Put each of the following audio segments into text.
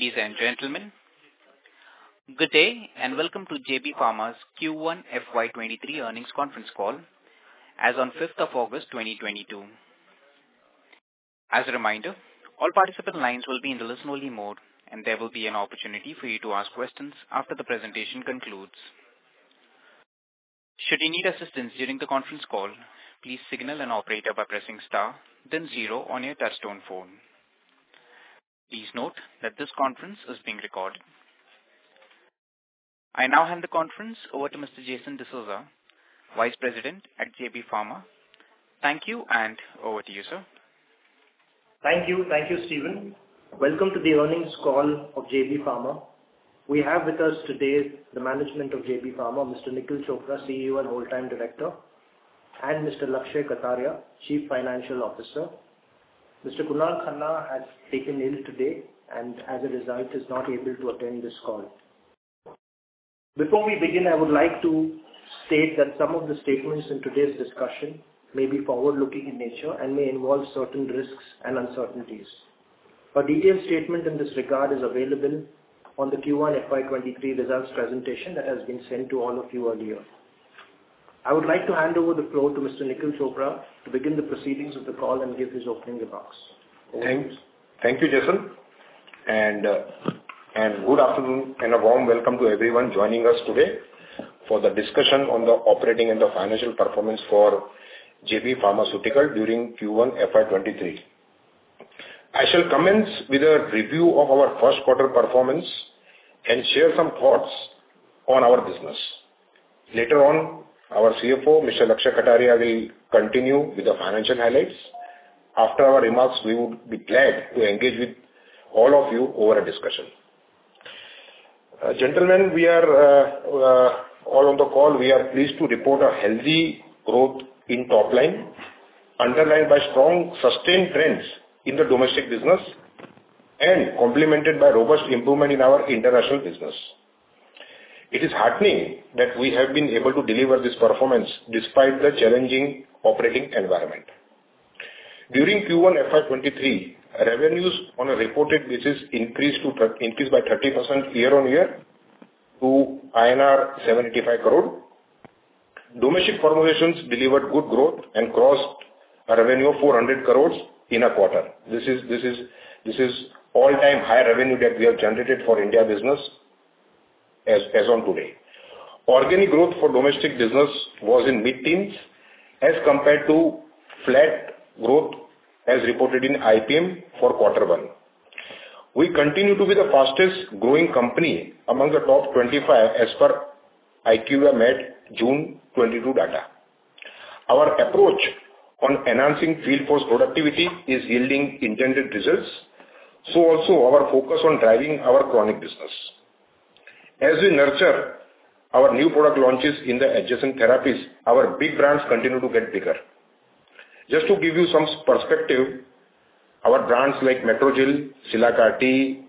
Ladies and gentlemen, good day and welcome to JB Pharma's Q1 FY23 earnings conference call as on 5th of August 2022. As a reminder, all participant lines will be in the listen-only mode, and there will be an opportunity for you to ask questions after the presentation concludes. Should you need assistance during the conference call, please signal an operator by pressing star then zero on your touchtone phone. Please note that this conference is being recorded. I now hand the conference over to Mr. Jason D'Souza, Vice President at JB Pharma. Thank you, and over to you, sir. Thank you. Thank you, Stephen. Welcome to the earnings call of JB Pharma. We have with us today the management of JB Pharma, Mr. Nikhil Chopra, CEO and Whole-time Director, and Mr. Lakshay Kataria, Chief Financial Officer. Mr. Kunal Khanna has taken ill today and as a result is not able to attend this call. Before we begin, I would like to state that some of the statements in today's discussion may be forward-looking in nature and may involve certain risks and uncertainties. A detailed statement in this regard is available on the Q1 FY23 results presentation that has been sent to all of you earlier. I would like to hand over the floor to Mr. Nikhil Chopra to begin the proceedings of the call and give his opening remarks. Over to you. Thanks. Thank you, Jason, and good afternoon and a warm welcome to everyone joining us today for the discussion on the operating and the financial performance for JB Pharmaceuticals during Q1 FY 2023. I shall commence with a review of our first quarter performance and share some thoughts on our business. Later on, our CFO, Mr. Lakshay Kataria, will continue with the financial highlights. After our remarks, we would be glad to engage with all of you over a discussion. Gentlemen, we are all on the call. We are pleased to report a healthy growth in top line, underlined by strong sustained trends in the domestic business and complemented by robust improvement in our international business. It is heartening that we have been able to deliver this performance despite the challenging operating environment. During Q1 FY 2023, revenues on a reported basis increased by 30% year-on-year to INR 785 crore. Domestic formulations delivered good growth and crossed a revenue of 400 crores in a quarter. This is all-time high revenue that we have generated for India business as on today. Organic growth for domestic business was in mid-teens as compared to flat growth as reported in IPM for quarter one. We continue to be the fastest growing company among the top 25 as per IQVIA Med June 2022 data. Our approach on enhancing field force productivity is yielding intended results. Our focus on driving our chronic business. As we nurture our new product launches in the adjacent therapies, our big brands continue to get bigger. Just to give you some perspective, our brands like Metrogyl, Cilacar,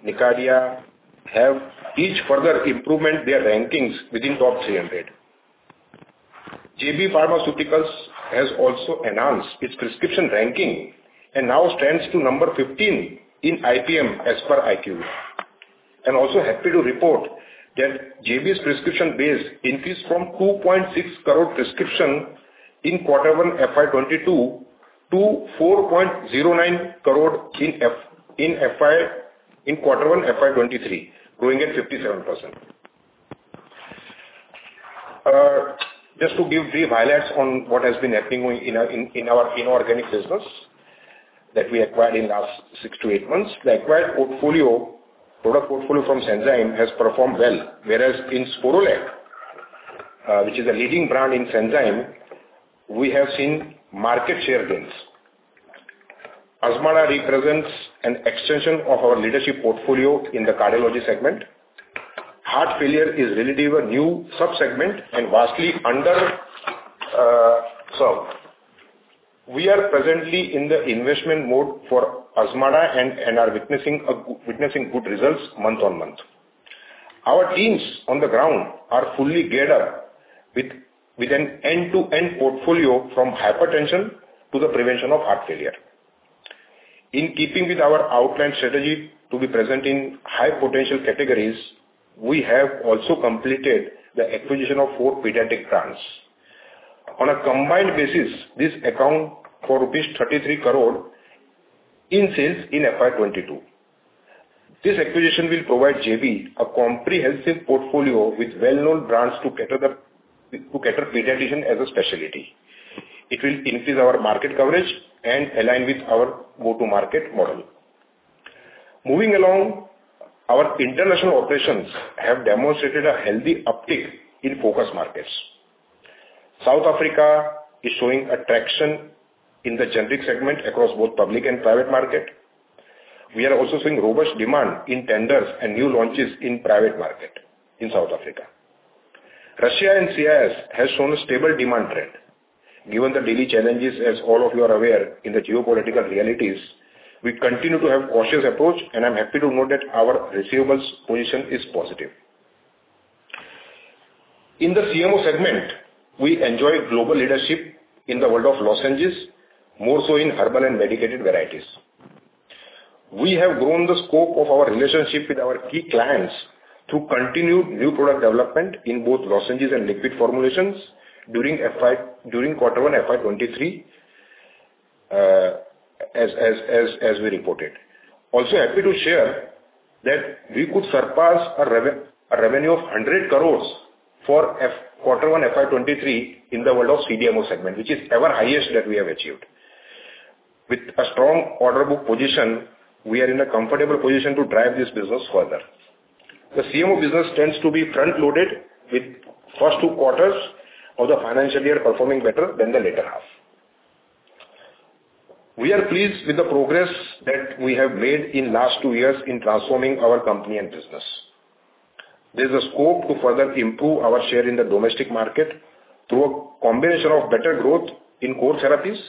Nicardia have each further improved their rankings within top 300. JB Pharmaceuticals has also enhanced its prescription ranking and now stands at number 15 in IPM as per IQVIA. I'm also happy to report that JB's prescription base increased from 2.6 crore prescriptions in quarter 1 FY 2022 to 4.09 crore in quarter 1 FY 2023, growing at 57%. Just to give brief highlights on what has been happening in our inorganic business that we acquired in last six to eight months. The acquired product portfolio from Sanzyme has performed well, whereas in Sporlac, which is a leading brand in Sanzyme, we have seen market share gains. Azmarda represents an extension of our leadership portfolio in the cardiology segment. Heart failure is relatively a new sub-segment and vastly underserved. We are presently in the investment mode for Azmarda and are witnessing good results month-on-month. Our teams on the ground are fully geared up with an end-to-end portfolio from hypertension to the prevention of heart failure. In keeping with our outlined strategy to be present in high potential categories, we have also completed the acquisition of four pediatric brands. On a combined basis, this account for 33 crore rupees in sales in FY 2022. This acquisition will provide JB a comprehensive portfolio with well-known brands to cater pediatrics as a specialty. It will increase our market coverage and align with our go-to-market model. Moving along, our international operations have demonstrated a healthy uptick in focus markets. South Africa is showing traction in the generic segment across both public and private market. We are also seeing robust demand in tenders and new launches in private market in South Africa. Russia and CIS has shown a stable demand trend. Given the daily challenges, as all of you are aware, in the geopolitical realities, we continue to have cautious approach, and I'm happy to note that our receivables position is positive. In the CMO segment, we enjoy global leadership in the world of lozenges, more so in herbal and medicated varieties. We have grown the scope of our relationship with our key clients through continued new product development in both lozenges and liquid formulations during quarter one FY 23, as we reported. Happy to share that we could surpass a revenue of 100 crore for quarter one FY 2023 in the world of CDMO segment, which is our highest that we have achieved. With a strong order book position, we are in a comfortable position to drive this business further. The CMO business tends to be front-loaded with first two quarters of the financial year performing better than the latter half. We are pleased with the progress that we have made in last two years in transforming our company and business. There's a scope to further improve our share in the domestic market through a combination of better growth in core therapies,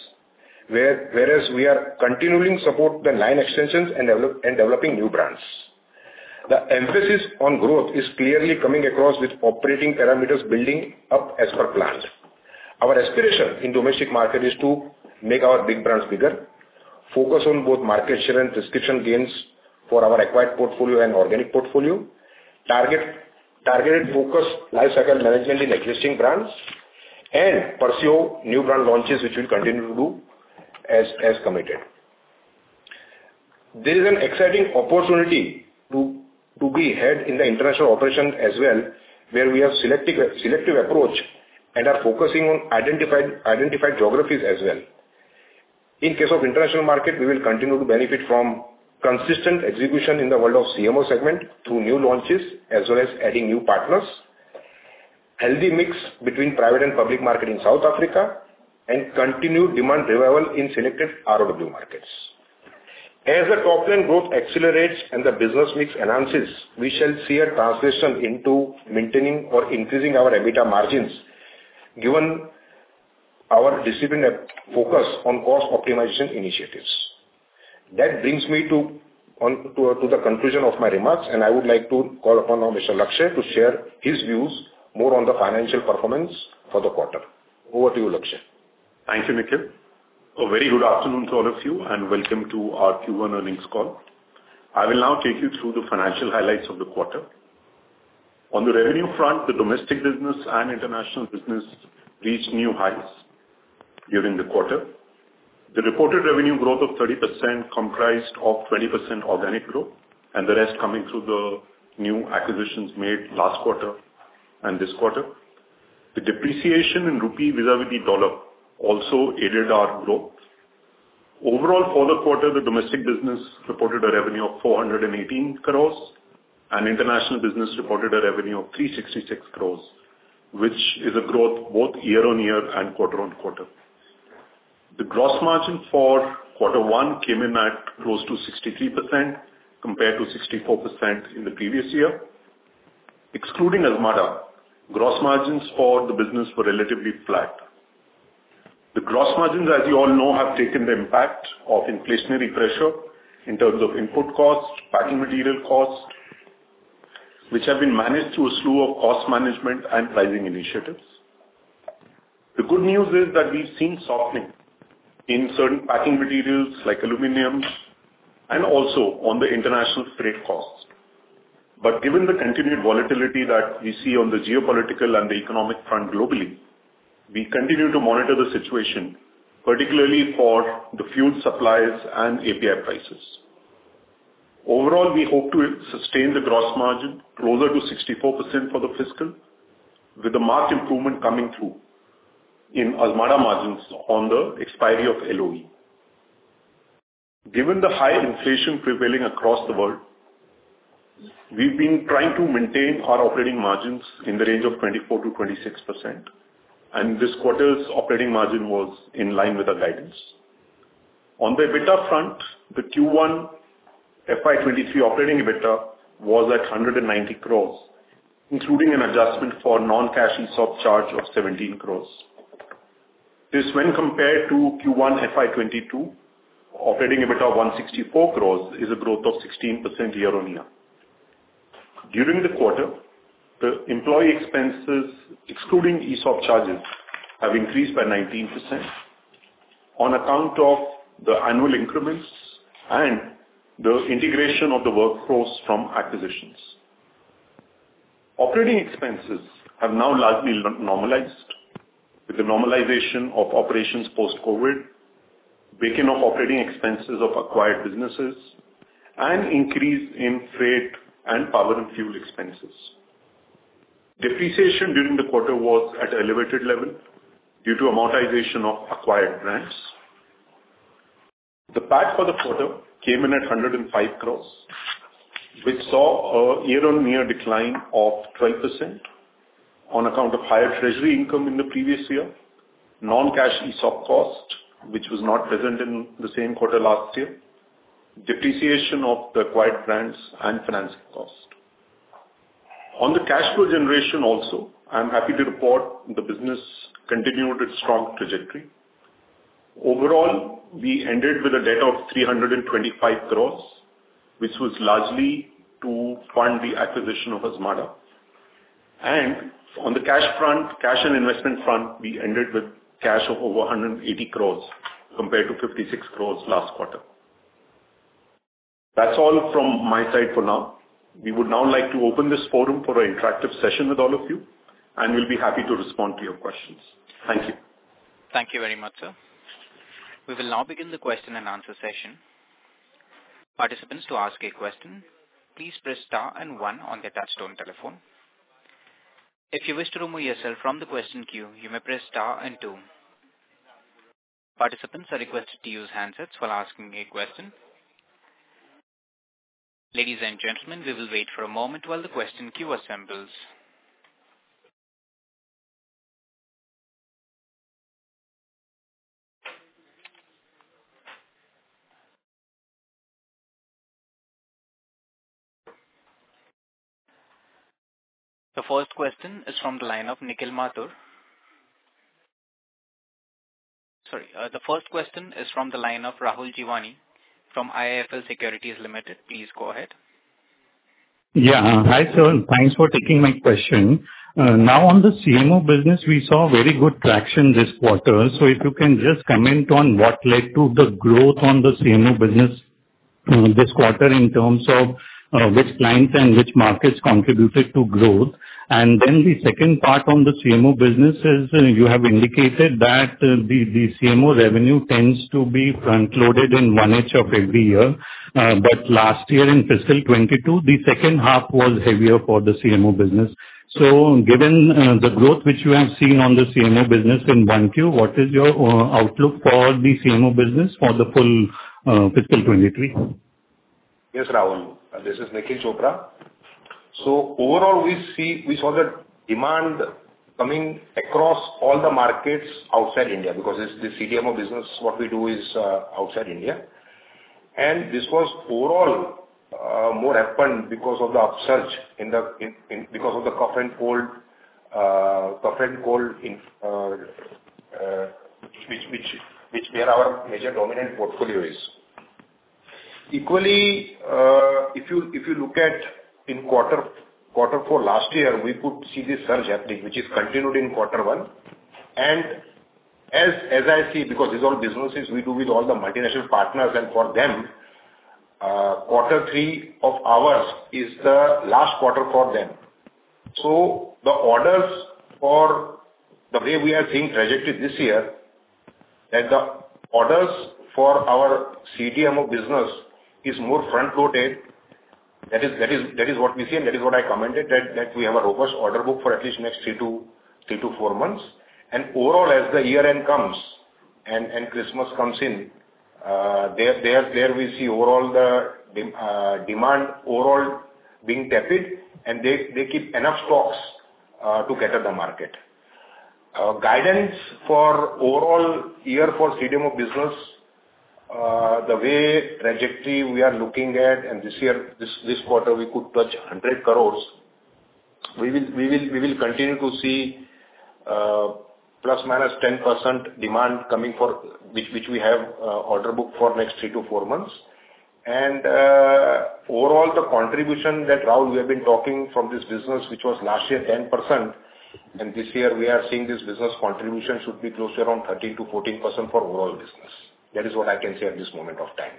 whereas we are continuing to support the line extensions and developing new brands. The emphasis on growth is clearly coming across with operating parameters building up as per plans. Our aspiration in domestic market is to make our big brands bigger, focus on both market share and prescription gains for our acquired portfolio and organic portfolio. Targeted focus lifecycle management in existing brands, and pursue new brand launches, which we'll continue to do as committed. There is an exciting opportunity to be had in the international operation as well, where we have selective approach and are focusing on identified geographies as well. In case of international market, we will continue to benefit from consistent execution in the world of CMO segment through new launches as well as adding new partners. Healthy mix between private and public market in South Africa, and continued demand revival in selected ROW markets. As the top line growth accelerates and the business mix enhances, we shall see a transition into maintaining or increasing our EBITDA margins, given our disciplined focus on cost optimization initiatives. That brings me to the conclusion of my remarks, and I would like to call upon now Mr. Lakshay to share his views more on the financial performance for the quarter. Over to you, Lakshay. Thank you, Nikhil. A very good afternoon to all of you, and welcome to our Q1 earnings call. I will now take you through the financial highlights of the quarter. On the revenue front, the domestic business and international business reached new highs during the quarter. The reported revenue growth of 30% comprised of 20% organic growth and the rest coming through the new acquisitions made last quarter and this quarter. The depreciation in rupee vis-à-vis dollar also aided our growth. Overall, for the quarter, the domestic business reported a revenue of 418 crores and international business reported a revenue of 366 crores, which is a growth both year-on-year and quarter-on-quarter. The gross margin for quarter one came in at close to 63% compared to 64% in the previous year. Excluding Azmarda, gross margins for the business were relatively flat. The gross margins, as you all know, have taken the impact of inflationary pressure in terms of input costs, packing material costs, which have been managed through a slew of cost management and pricing initiatives. The good news is that we've seen softening in certain packing materials like aluminums and also on the international freight costs. Given the continued volatility that we see on the geopolitical and the economic front globally, we continue to monitor the situation, particularly for the fuel suppliers and API prices. Overall, we hope to sustain the gross margin closer to 64% for the fiscal, with a marked improvement coming through in Azmarda margins on the expiry of LOE. Given the high inflation prevailing across the world, we've been trying to maintain our operating margins in the range of 24%-26%, and this quarter's operating margin was in line with our guidance. On the EBITDA front, the Q1 FY 2023 operating EBITDA was at 190 crore, including an adjustment for non-cash ESOP charge of 17 crore. This, when compared to Q1 FY 2022 operating EBITDA of 164 crore, is a growth of 16% year-on-year. During the quarter, the employee expenses, excluding ESOP charges, have increased by 19% on account of the annual increments and the integration of the workforce from acquisitions. Operating expenses have now largely normalized with the normalization of operations post-COVID, booking of operating expenses of acquired businesses, and increase in freight and power and fuel expenses. Depreciation during the quarter was at elevated level due to amortization of acquired brands. The PAT for the quarter came in at 105 crore, which saw a year-on-year decline of 12% on account of higher treasury income in the previous year, non-cash ESOP cost, which was not present in the same quarter last year, depreciation of the acquired brands, and financing cost. On the cash flow generation also, I'm happy to report the business continued its strong trajectory. Overall, we ended with a debt of 325 crore, which was largely to fund the acquisition of Azmarda. On the cash front, cash and investment front, we ended with cash of over 180 crore compared to 56 crore last quarter. That's all from my side for now. We would now like to open this forum for an interactive session with all of you, and we'll be happy to respond to your questions. Thank you. Thank you very much, sir. We will now begin the question and answer session. Participants, to ask a question, please press star and one on your touchtone telephone. If you wish to remove yourself from the question queue, you may press star and two. Participants are requested to use handsets while asking a question. Ladies and gentlemen, we will wait for a moment while the question queue assembles. The first question is from the line of Rahul Jeewani from IIFL Securities Limited. Please go ahead. Yeah. Hi, sir, and thanks for taking my question. Now, on the CMO business, we saw very good traction this quarter. If you can just comment on what led to the growth on the CMO business this quarter in terms of which clients and which markets contributed to growth. Then the second part on the CMO business is, you have indicated that the CMO revenue tends to be front-loaded in Q1 of every year. Last year in fiscal 2022, the second half was heavier for the CMO business. Given the growth which you have seen on the CMO business in Q1, what is your outlook for the CMO business for the full fiscal 2023? Yes, Rahul, this is Nikhil Chopra. Overall, we saw that demand coming across all the markets outside India because this CDMO business, what we do is outside India. This was overall more happened because of the upsurge in the because of the cough and cold in which where our major dominant portfolio is. Equally, if you look at quarter four last year, we could see this surge happening, which is continued in quarter one. As I see, because these all businesses we do with all the multinational partners and for them, quarter three of ours is the last quarter for them. The orders for the way we are seeing trajectory this year, that the orders for our CDMO business is more front-loaded. That is what we see, and that is what I commented that we have a robust order book for at least next three to four months. Overall, as the year-end comes and Christmas comes in, there we see overall the demand overall being tepid, and they keep enough stocks to cater the market. Guidance for overall year for CDMO business, the way trajectory we are looking at, and this year this quarter, we could touch 100 crore. We will continue to see ±10% demand coming for which we have order book for next three to four months. Overall, the contribution that, Rahul, we have been talking from this business, which was last year 10%, and this year we are seeing this business contribution should be closer on 13%-14% for overall business. That is what I can say at this moment of time.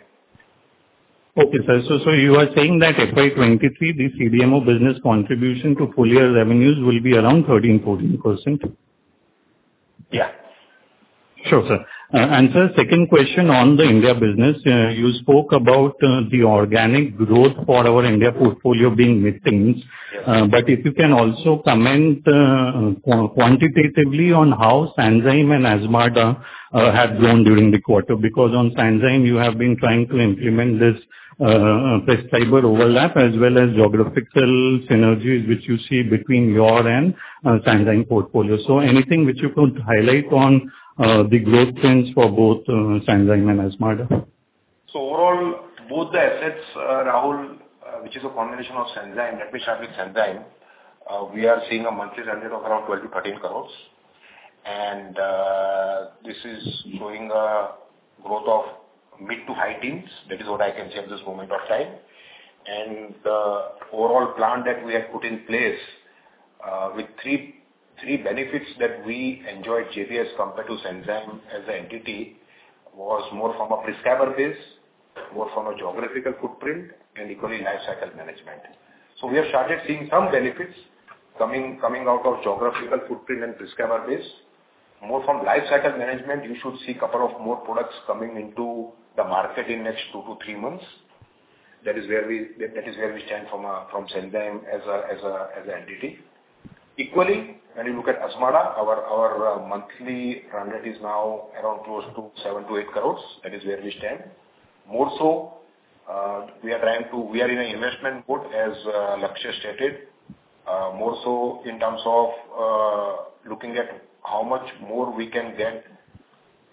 Okay, sir. You are saying that FY 2023, the CDMO business contribution to full year revenues will be around 13%-14%? Yeah. Sure, sir. Sir, second question on the India business. You spoke about the organic growth for our India portfolio being mid-teens%. Yeah. If you can also comment quantitatively on how Sanzyme and Azmarda have grown during the quarter. Because on Sanzyme you have been trying to implement this prescriber overlap as well as geographical synergies which you see between your and Sanzyme portfolio. Anything which you could highlight on the growth trends for both Sanzyme and Azmarda. Overall, both the assets, Rahul, which is a combination of Sanzyme. Let me start with Sanzyme. We are seeing a monthly revenue of around 12 crores-13 crores. This is showing a growth of mid-to-high teens%. That is what I can say at this moment of time. The overall plan that we have put in place, with three benefits that we enjoy at JB's compared to Sanzyme as an entity, was more from a prescriber base, more from a geographical footprint and equally lifecycle management. We have started seeing some benefits coming out of geographical footprint and prescriber base. More from lifecycle management, you should see a couple of more products coming into the market in next 2-3 months. That is where we stand from Sanzyme as an entity. Equally, when you look at Azmarda, our monthly run rate is now around close to 7 crores-8 crores. That is where we stand. More so, we are in an investment mode, as Lakshay stated. More so in terms of looking at how much more we can get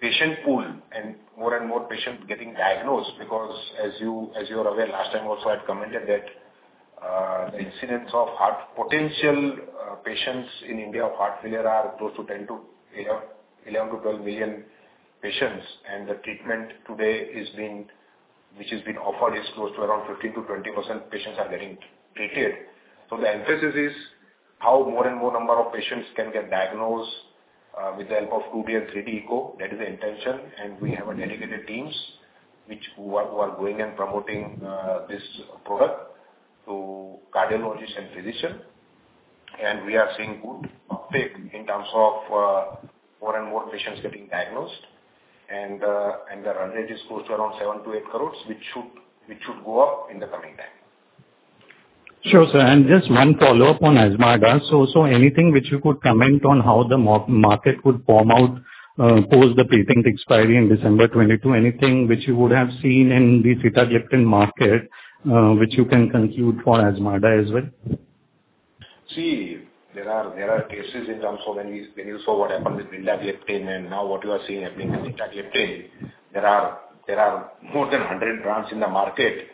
patient pool and more and more patients getting diagnosed because as you are aware, last time also I'd commented that the incidence of heart failure patients in India are close to 10-12 million patients. The treatment today which has been offered is close to around 15%-20% patients are getting treated. The emphasis is how more and more number of patients can get diagnosed with the help of 2D and 3D echo. That is the intention. We have a dedicated teams who are going and promoting this product to cardiologists and physicians. We are seeing good uptake in terms of more and more patients getting diagnosed. The revenue is close to around 7 crores-8 crores, which should go up in the coming time. Sure, sir. Just one follow-up on Azmarda. Anything which you could comment on how the market would form out, post the patent expiry in December 2022? Anything which you would have seen in the sitagliptin market, which you can conclude for Azmarda as well? See, there are cases in terms of when you saw what happened with linagliptin and now what you are seeing happening in sitagliptin. There are more than 100 brands in the market.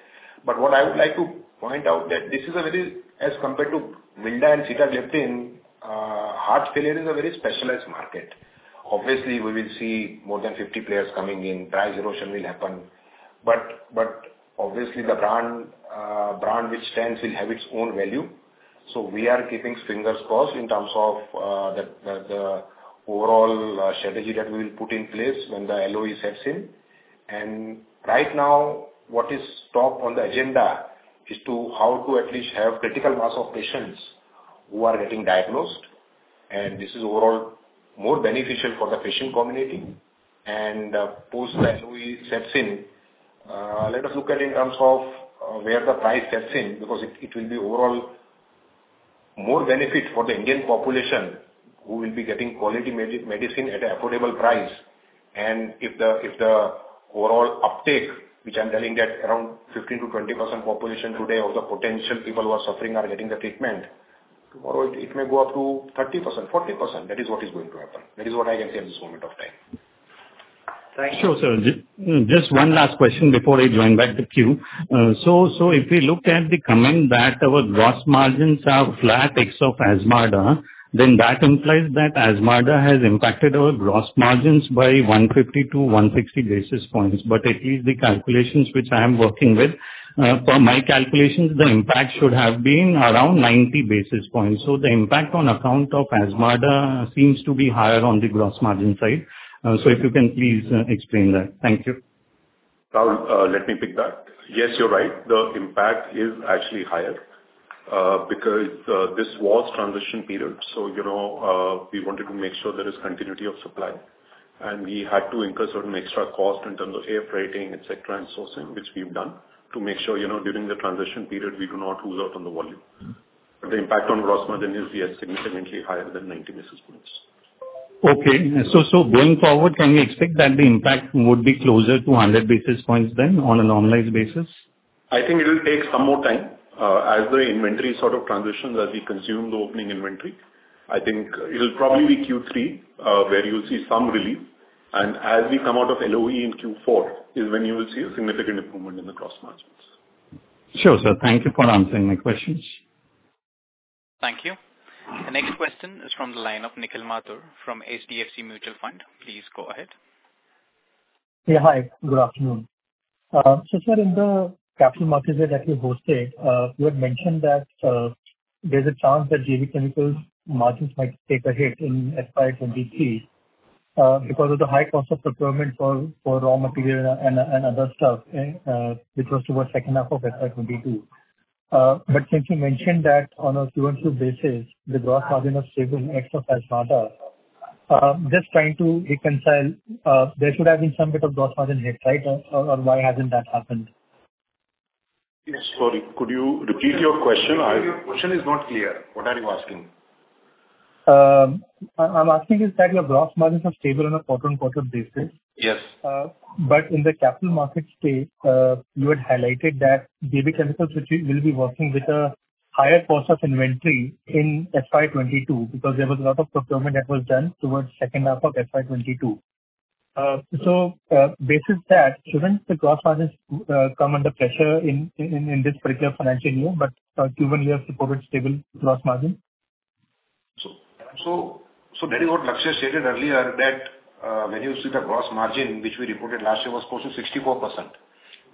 What I would like to point out is that this is a very specialized market, as compared to vildagliptin. Heart failure is a very specialized market. Obviously, we will see more than 50 players coming in. Price erosion will happen, but obviously the brand which stands will have its own value. We are keeping fingers crossed in terms of the overall strategy that we'll put in place when the LOE sets in. Right now what is top on the agenda is to how to at least have critical mass of patients who are getting diagnosed. This is overall more beneficial for the patient community. Post LOE sets in, let us look at in terms of where the price sets in because it will be overall more benefit for the Indian population who will be getting quality medicine at an affordable price. If the overall uptake, which I'm telling that around 15%-20% population today of the potential people who are suffering are getting the treatment, tomorrow it may go up to 30%, 40%. That is what is going to happen. That is what I can say at this moment of time. Sure, sir. Just one last question before I join back the queue. So if we look at the comment that our gross margins are flat ex of Azmarda, then that implies that Azmarda has impacted our gross margins by 150-160 basis points. At least the calculations which I am working with, per my calculations, the impact should have been around 90 basis points. The impact on account of Azmarda seems to be higher on the gross margin side. If you can please explain that. Thank you. Rahul, let me pick that. Yes, you're right. The impact is actually higher, because this was transition period, so you know, we wanted to make sure there is continuity of supply. We had to incur certain extra cost in terms of air freighting, et cetera, and sourcing, which we've done to make sure, you know, during the transition period we do not lose out on the volume. The impact on gross margin is yes, significantly higher than 90 basis points. Going forward, can we expect that the impact would be closer to 100 basis points than on a normalized basis? I think it'll take some more time, as the inventory sort of transitions, as we consume the opening inventory. I think it'll probably be Q3, where you'll see some relief. As we come out of LOE in Q4 is when you will see a significant improvement in the gross margins. Sure, sir. Thank you for answering my questions. Thank you. The next question is from the line of Nikhil Mathur from HDFC Mutual Fund. Please go ahead. Yeah, hi. Good afternoon. So, sir, in the Capital Markets Day that you hosted, you had mentioned that, there's a chance that JB Chemicals margins might take a hit in FY 2023, because of the high cost of procurement for raw material and other stuff, which was towards second half of FY 2022. Since you mentioned that on a Q on Q basis, the gross margin was stable ex of Azmarda, just trying to reconcile, there should have been some bit of gross margin hit, right? Or why hasn't that happened? Yes. Sorry, could you repeat your question? Your question is not clear. What are you asking? I'm asking you, sir, the gross margins are stable on a quarter-on-quarter basis. Yes. In the capital markets day, you had highlighted that JB Chemicals, which we will be working with a higher cost of inventory in FY 2022 because there was a lot of procurement that was done towards second half of FY 2022. Based on that, shouldn't the gross margins come under pressure in this particular financial year, but Q1 we have reported stable gross margin. That is what Lakshay stated earlier that when you see the gross margin which we reported last year was close to 64%.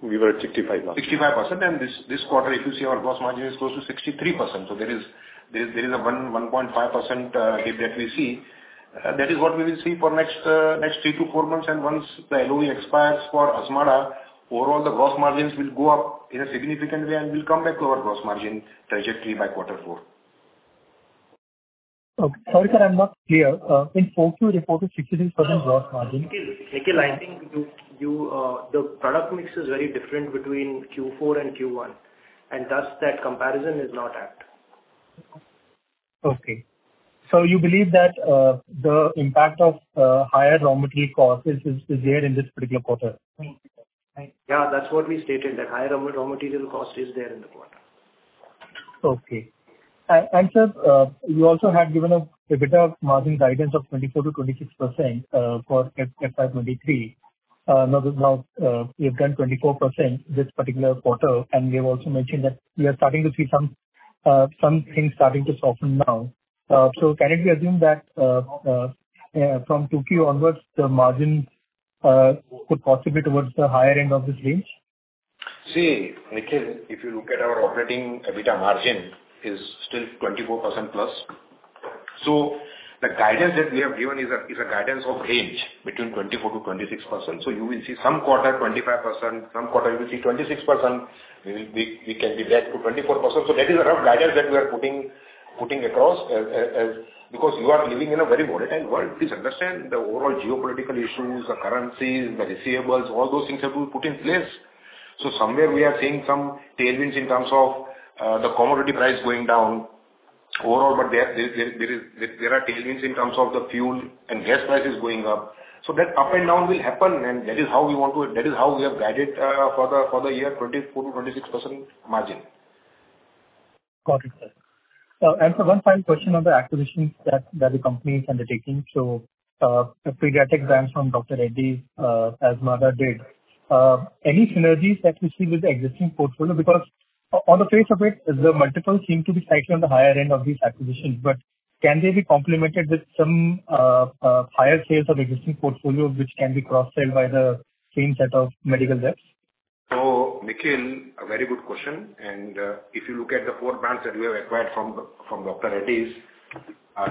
We were at 65% last year. 65%. This quarter if you see our gross margin is close to 63%. There is a 1.5% hit that we see. That is what we will see for next three to four months. Once the LOE expires for Azmarda, overall the gross margins will go up in a significant way and we'll come back to our gross margin trajectory by quarter four. Okay. Sorry, sir, I'm not clear. In 4Q reported 63% gross margin. Nikhil, I think the product mix is very different between Q4 and Q1, and thus that comparison is not apt. Okay. You believe that the impact of higher raw material cost is there in this particular quarter? Right. Right. Yeah, that's what we stated, that higher raw material cost is there in the quarter. Okay. Sir, you also had given us EBITDA margin guidance of 24%-26% for FY 2023. Now that we have done 24% this particular quarter, and we have also mentioned that we are starting to see some things starting to soften now. Can it be assumed that from Q2 onwards, the margin could possibly towards the higher end of this range? See, Nikhil, if you look at our operating EBITDA margin is still 24% plus. The guidance that we have given is a guidance of range between 24%-26%. You will see some quarter 25%, some quarter you will see 26%. We can be back to 24%. That is a rough guidance that we are putting across because you are living in a very volatile world. Please understand the overall geopolitical issues, the currencies, the receivables, all those things have to be put in place. Somewhere we are seeing some tailwinds in terms of the commodity price going down overall, but there are tailwinds in terms of the fuel and gas prices going up. That up and down will happen, and that is how we have guided for the year 24%-26% margin. Got it, sir. For one final question on the acquisitions that the company is undertaking. The pediatric brands from Dr. Reddy's, Z&D. Any synergies that you see with the existing portfolio because on the face of it, the multiples seem to be slightly on the higher end of these acquisitions, but can they be complemented with some higher sales of existing portfolio which can be cross-sell by the same set of medical reps? Nikhil, a very good question. If you look at the four brands that we have acquired from Dr. Reddy's,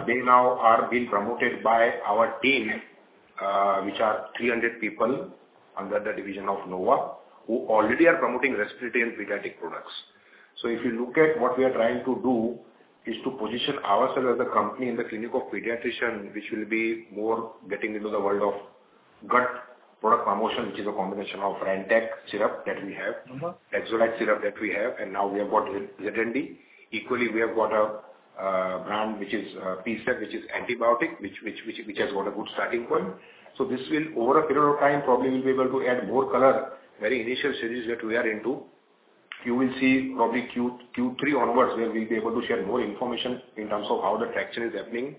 they now are being promoted by our team, which are 300 people under the division of Nova, who already are promoting respiratory and pediatric products. If you look at what we are trying to do is to position ourselves as a company in the clinic of pediatrician, which will be more getting into the world of gut product promotion, which is a combination of Rantac syrup that we have, Metrogyl syrup that we have, and now we have got Z&D. Equally, we have got a brand which is Pecef, which is antibiotic, which has got a good starting point. This will over a period of time probably will be able to add more color, very initial stages that we are into. You will see probably Q3 onwards, where we'll be able to share more information in terms of how the traction is happening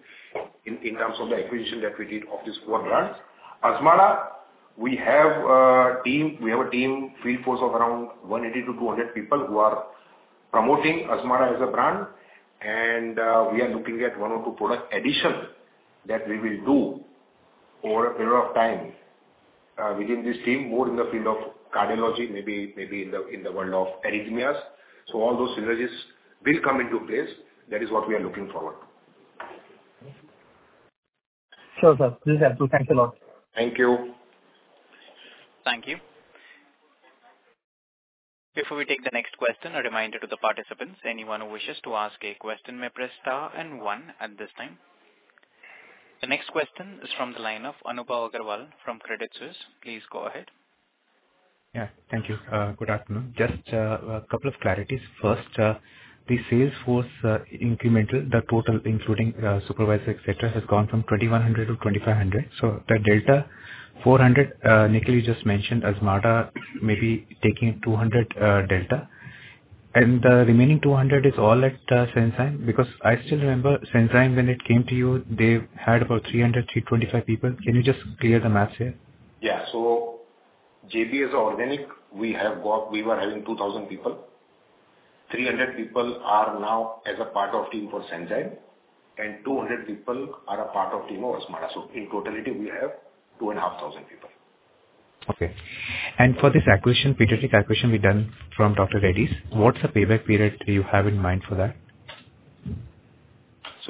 in terms of the acquisition that we did of these four brands. Azmarda, we have a team field force of around 180-200 people who are promoting Azmarda as a brand. We are looking at one or two product addition that we will do over a period of time, within this team, more in the field of cardiology, maybe in the world of arrhythmias. All those synergies will come into place. That is what we are looking forward. Sure, sir. Please help too. Thanks a lot. Thank you. Thank you. Before we take the next question, a reminder to the participants. Anyone who wishes to ask a question may press star and one at this time. The next question is from the line of Anupam Agarwal from Credit Suisse. Please go ahead. Yeah, thank you. Good afternoon. Just a couple of clarities. First, the sales force, incremental, the total including, supervisors, et cetera, has gone from 2,100 to 2,500. The delta 400, Nikhil, you just mentioned Azmarda maybe taking 200, delta. The remaining 200 is all at Sanzyme because I still remember Sanzyme when it came to you, they had about 300, 325 people. Can you just clear the math here? JB as organic, we were having 2,000 people. 300 people are now as a part of team for Sanzyme, and 200 people are a part of team of Azmarda. In totality, we have 2,500 people. Okay. For this acquisition, pediatric acquisition we've done from Dr. Reddy's, what's the payback period you have in mind for that?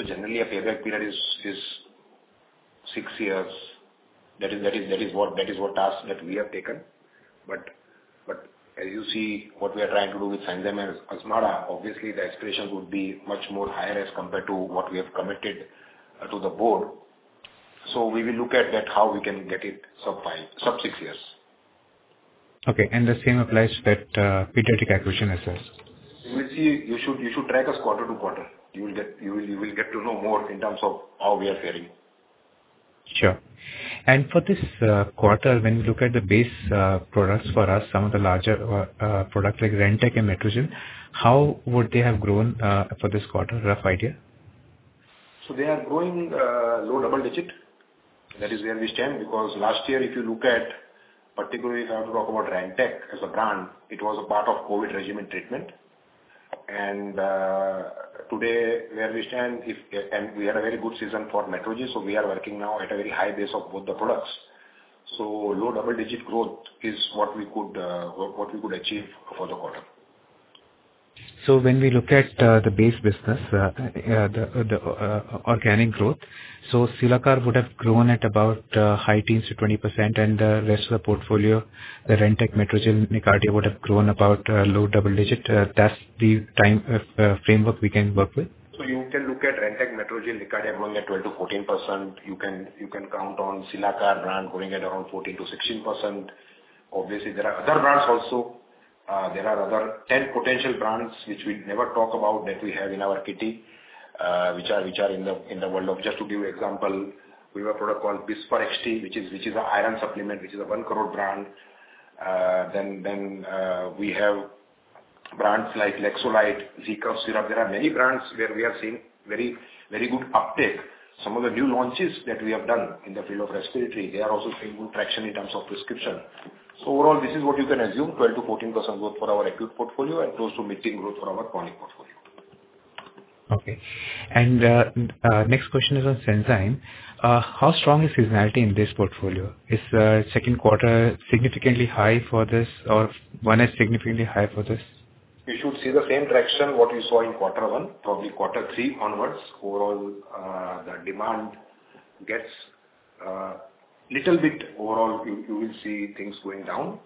Generally a payback period is 6 years. That is the stance that we have taken. As you see, what we are trying to do with Sanzyme and Azmarda, obviously the aspirations would be much more higher as compared to what we have committed to the board. We will look at that, how we can get it sub-5 sub-6 years. Okay. The same applies to that, pediatric acquisition as well. You should track us quarter to quarter. You will get to know more in terms of how we are faring. Sure. For this quarter, when we look at the base products for us, some of the larger products like Rantac and Metrogyl, how would they have grown for this quarter? Rough idea. They are growing low double-digit%. That is where we stand because last year if you look at particularly if I have to talk about Rantac as a brand, it was a part of COVID regimen treatment. Today where we stand. We had a very good season for Metrogyl, so we are working now at a very high base of both the products. Low double-digit% growth is what we could achieve for the quarter. When we look at the base business, the organic growth, Cilacar would have grown at about high teens to 20% and the rest of the portfolio, the Rantac, Metrogyl, Nicardia would have grown about low double digit. That's the time framework we can work with? You can look at Rantac, Metrogyl, Nicardia growing at 12%-14%. You can count on Cilacar brand growing at around 14%-16%. Obviously, there are other brands also. There are other 10 potential brands which we never talk about that we have in our kitty, which are in the world of. Just to give you an example, we have a product called Bizfer XT, which is an iron supplement, which is a 1 crore brand. Then we have brands like Laxolite, Zecuf syrup. There are many brands where we are seeing very good uptake. Some of the new launches that we have done in the field of respiratory, they are also seeing good traction in terms of prescription. Overall, this is what you can assume, 12%-14% growth for our acute portfolio and close to mid-teen growth for our chronic portfolio. Okay. Next question is on Sanzyme. How strong is seasonality in this portfolio? Is second quarter significantly high for this or one is significantly high for this? You should see the same traction what you saw in quarter one. Probably quarter three onwards, overall, the demand gets little bit overall you will see things going down.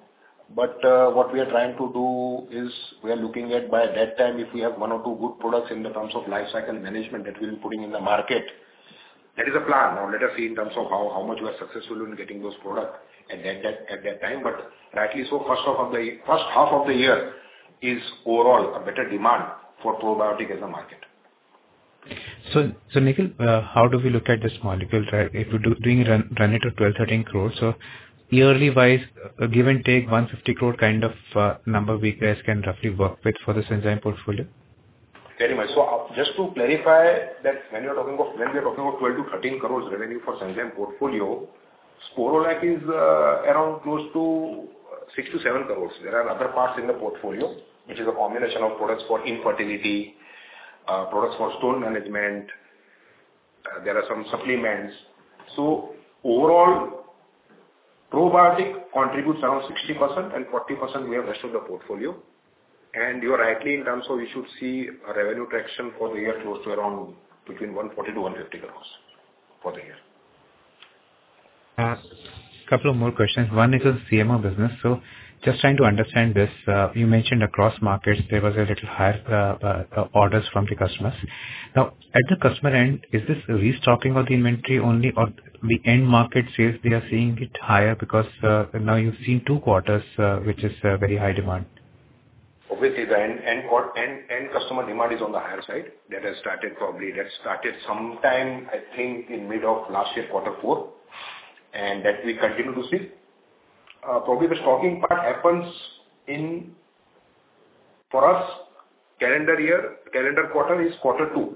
What we are trying to do is we are looking at by that time if we have one or two good products in terms of life cycle management that we'll be putting in the market. That is the plan. Now let us see in terms of how much we are successful in getting those products at that time. Rightly so, first half of the year is overall a better demand for probiotics market. Nikhil, how do we look at this molecule, right? If we do a run rate at 12 crores-13 crore. Yearly wise, give or take 150 crore kind of number we guys can roughly work with for the Sanzyme portfolio. Very much. Just to clarify that when we are talking about 12-13 crores revenue for Sanzyme portfolio, Sporlac is around close to 6-7 crores. There are other parts in the portfolio, which is a combination of products for infertility, products for stone management, there are some supplements. Overall, probiotic contributes around 60% and 40% we have rest of the portfolio. You are right in terms of you should see a revenue traction for the year close to around between 140-150 crores for the year. Couple of more questions. One is CMO business. Just trying to understand this. You mentioned across markets there was a little higher orders from the customers. Now, at the customer end, is this restocking of the inventory only or the end market sales they are seeing it higher because now you've seen 2 quarters, which is very high demand? Obviously the end customer demand is on the higher side. That started sometime, I think, in mid of last year, quarter four. That we continue to see. Probably the stocking part happens in, for us, calendar year, calendar quarter is quarter two.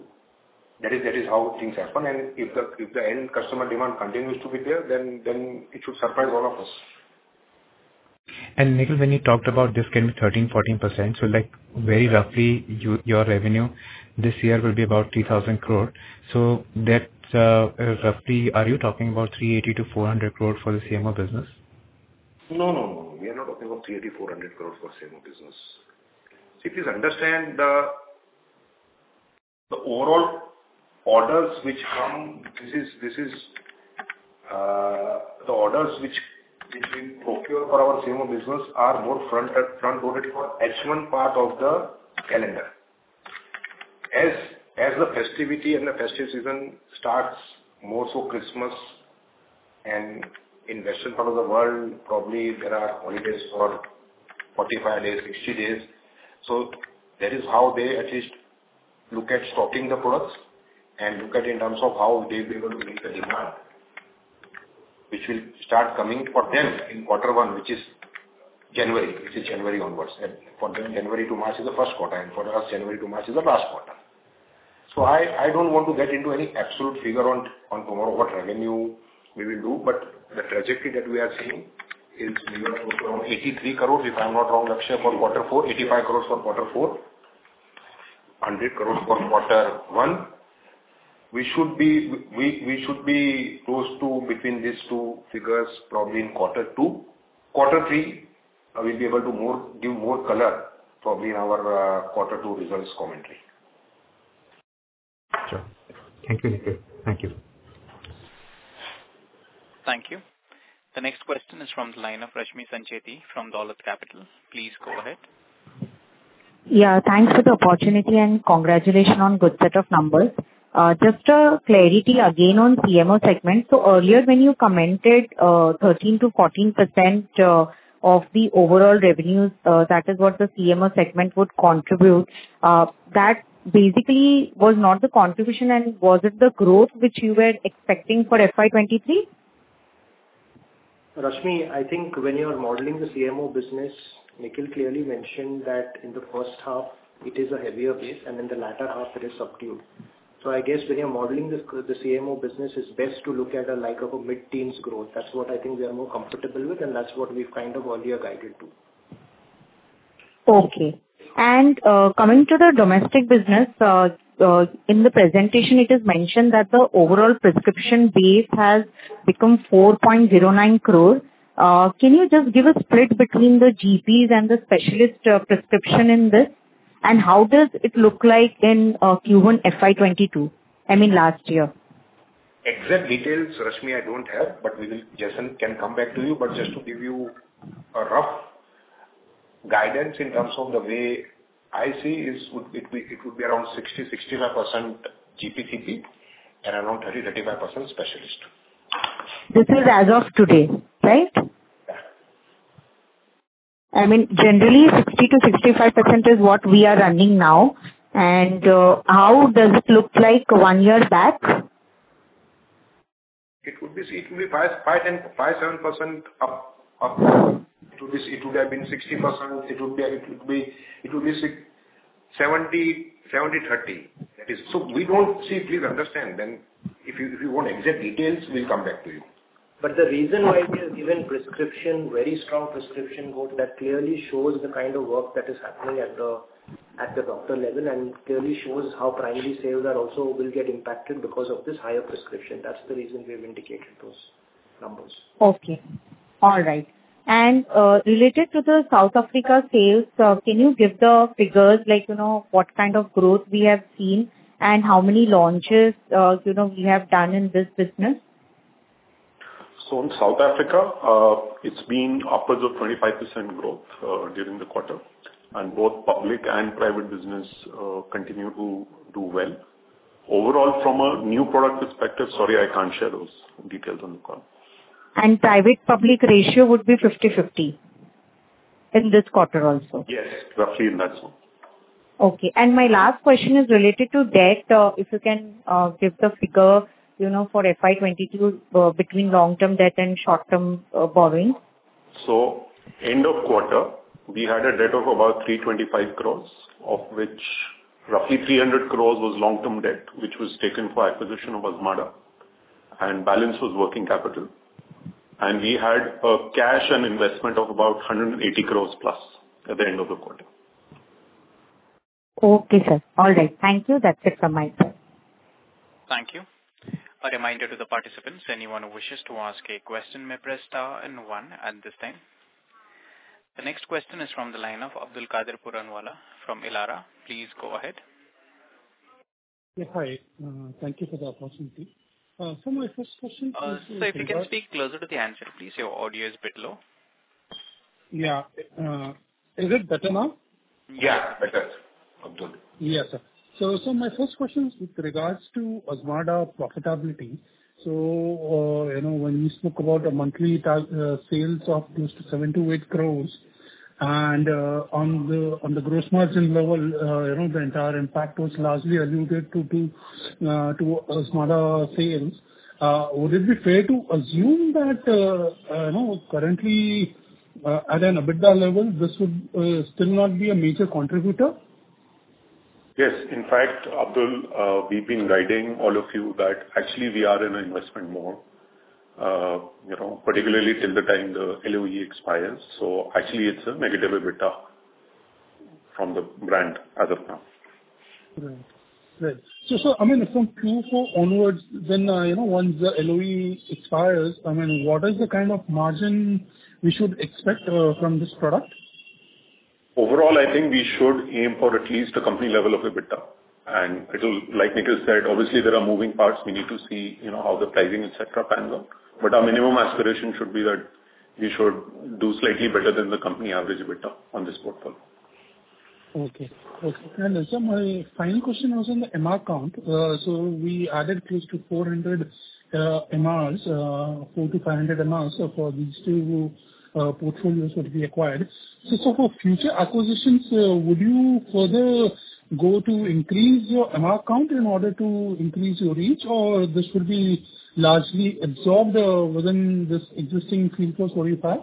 That is how things happen. If the end customer demand continues to be there, then it should surprise all of us. Nikhil, when you talked about this can be 13%-14%, so like very roughly your revenue this year will be about 3,000 crores. That, roughly are you talking about 380 crores-400 crores for the CMO business? No, no. We are not talking about 380 crore-400 crore for CMO business. See, please understand the overall orders which come, the orders which we procure for our CMO business are more front loaded for H1 part of the calendar. As the festivity and the festive season starts more so Christmas and in western part of the world probably there are holidays for 45 days, 60 days. So that is how they at least look at stocking the products and look at in terms of how they'll be able to meet the demand. Which will start coming for them in quarter one, which is January. This is January onwards. For them January to March is the first quarter, and for us January to March is the last quarter. I don't want to get into any absolute figure on tomorrow what revenue we will do, but the trajectory that we are seeing is we are close to around 83 crores, if I'm not wrong, Lakshay, for quarter four. 85 crores for quarter four. 100 crores for quarter one. We should be close to between these two figures probably in quarter two. Quarter three, I will be able to give more color probably in our quarter two results commentary. Sure. Thank you, Nikhil. Thank you. Thank you. The next question is from the line of Rashmi Sancheti from Dolat Capital. Please go ahead. Yeah, thanks for the opportunity and congratulations on good set of numbers. Just a clarity again on CMO segment. Earlier when you commented, 13%-14% of the overall revenues, that is what the CMO segment would contribute, that basically was not the contribution and was it the growth which you were expecting for FY 2023? Rashmi, I think when you are modeling the CMO business, Nikhil clearly mentioned that in the first half it is a heavier base and in the latter half it is subdued. I guess when you're modeling the CMO business, it's best to look at like a mid-teens growth. That's what I think we are more comfortable with, and that's what we've kind of earlier guided to. Okay. Coming to the domestic business, in the presentation it is mentioned that the overall prescription base has become 4.09 crore. Can you just give a split between the GPs and the specialist prescription in this? How does it look like in Q1 FY 2022? I mean last year. Exact details, Rashmi, I don't have, but Jason can come back to you. Just to give you a rough guidance in terms of the way I see is it would be around 60-65% GP/CP and around 30-35% specialist. This is as of today, right? Yeah. I mean, generally 60%-65% is what we are running now. How does it look like one year back? It would be 5.5 and 5.7% up. It would have been 60%. It would be 70-30. That is. So we don't see. Please understand. If you want exact details, we'll come back to you. The reason why we have given prescription, very strong prescription growth, that clearly shows the kind of work that is happening at the doctor level and clearly shows how primary sales are also will get impacted because of this higher prescription. That's the reason we have indicated those numbers. Okay. All right. Related to the South Africa sales, can you give the figures like, you know, what kind of growth we have seen and how many launches, you know, we have done in this business? In South Africa, it's been upwards of 25% growth during the quarter. Both public and private business continue to do well. Overall, from a new product perspective, sorry, I can't share those details on the call. Private-public ratio would be 50/50 in this quarter also. Yes. Roughly in that zone. Okay. My last question is related to debt. If you can give the figure, you know, for FY 22, between long-term debt and short-term borrowing. End of quarter, we had a debt of about 325 crores, of which roughly 300 crores was long-term debt, which was taken for acquisition of Azmarda, and balance was working capital. We had a cash and investment of about 180 crores plus at the end of the quarter. Okay, sir. All right. Thank you. That's it from my side. Thank you. A reminder to the participants, anyone who wishes to ask a question may press star and one at this time. The next question is from the line of Abdulkader Puranwala from Elara. Please go ahead. Yes. Hi. Thank you for the opportunity. My first question is. Sir, if you can speak closer to the handset, please. Your audio is a bit low. Yeah. Is it better now? Yeah, better, Abdul. Yes, sir. My first question is with regards to Azmarda profitability. You know, when you spoke about the monthly sales of close to 78 crore and, on the gross margin level, you know, the entire impact was largely alluded to Azmarda sales. Would it be fair to assume that, you know, currently, at an EBITDA level, this would still not be a major contributor? Yes. In fact, Abdul, we've been guiding all of you that actually we are in an investment mode, you know, particularly till the time the LOE expires. Actually, it's a negative EBITDA from the brand as of now. Right. I mean, from Q4 onwards then, you know, once the LOE expires, I mean, what is the kind of margin we should expect from this product? Overall, I think we should aim for at least a company level of EBITDA. It'll, like Nikhil said, obviously there are moving parts. We need to see, you know, how the pricing, et cetera, pans out. Our minimum aspiration should be that we should do slightly better than the company average EBITDA on this portfolio. My final question was on the MR count. We added close to 400 MRs, 400-500 MRs for these two portfolios that we acquired. For future acquisitions, would you further go to increase your MR count in order to increase your reach, or will this be largely absorbed within this existing field force what you have?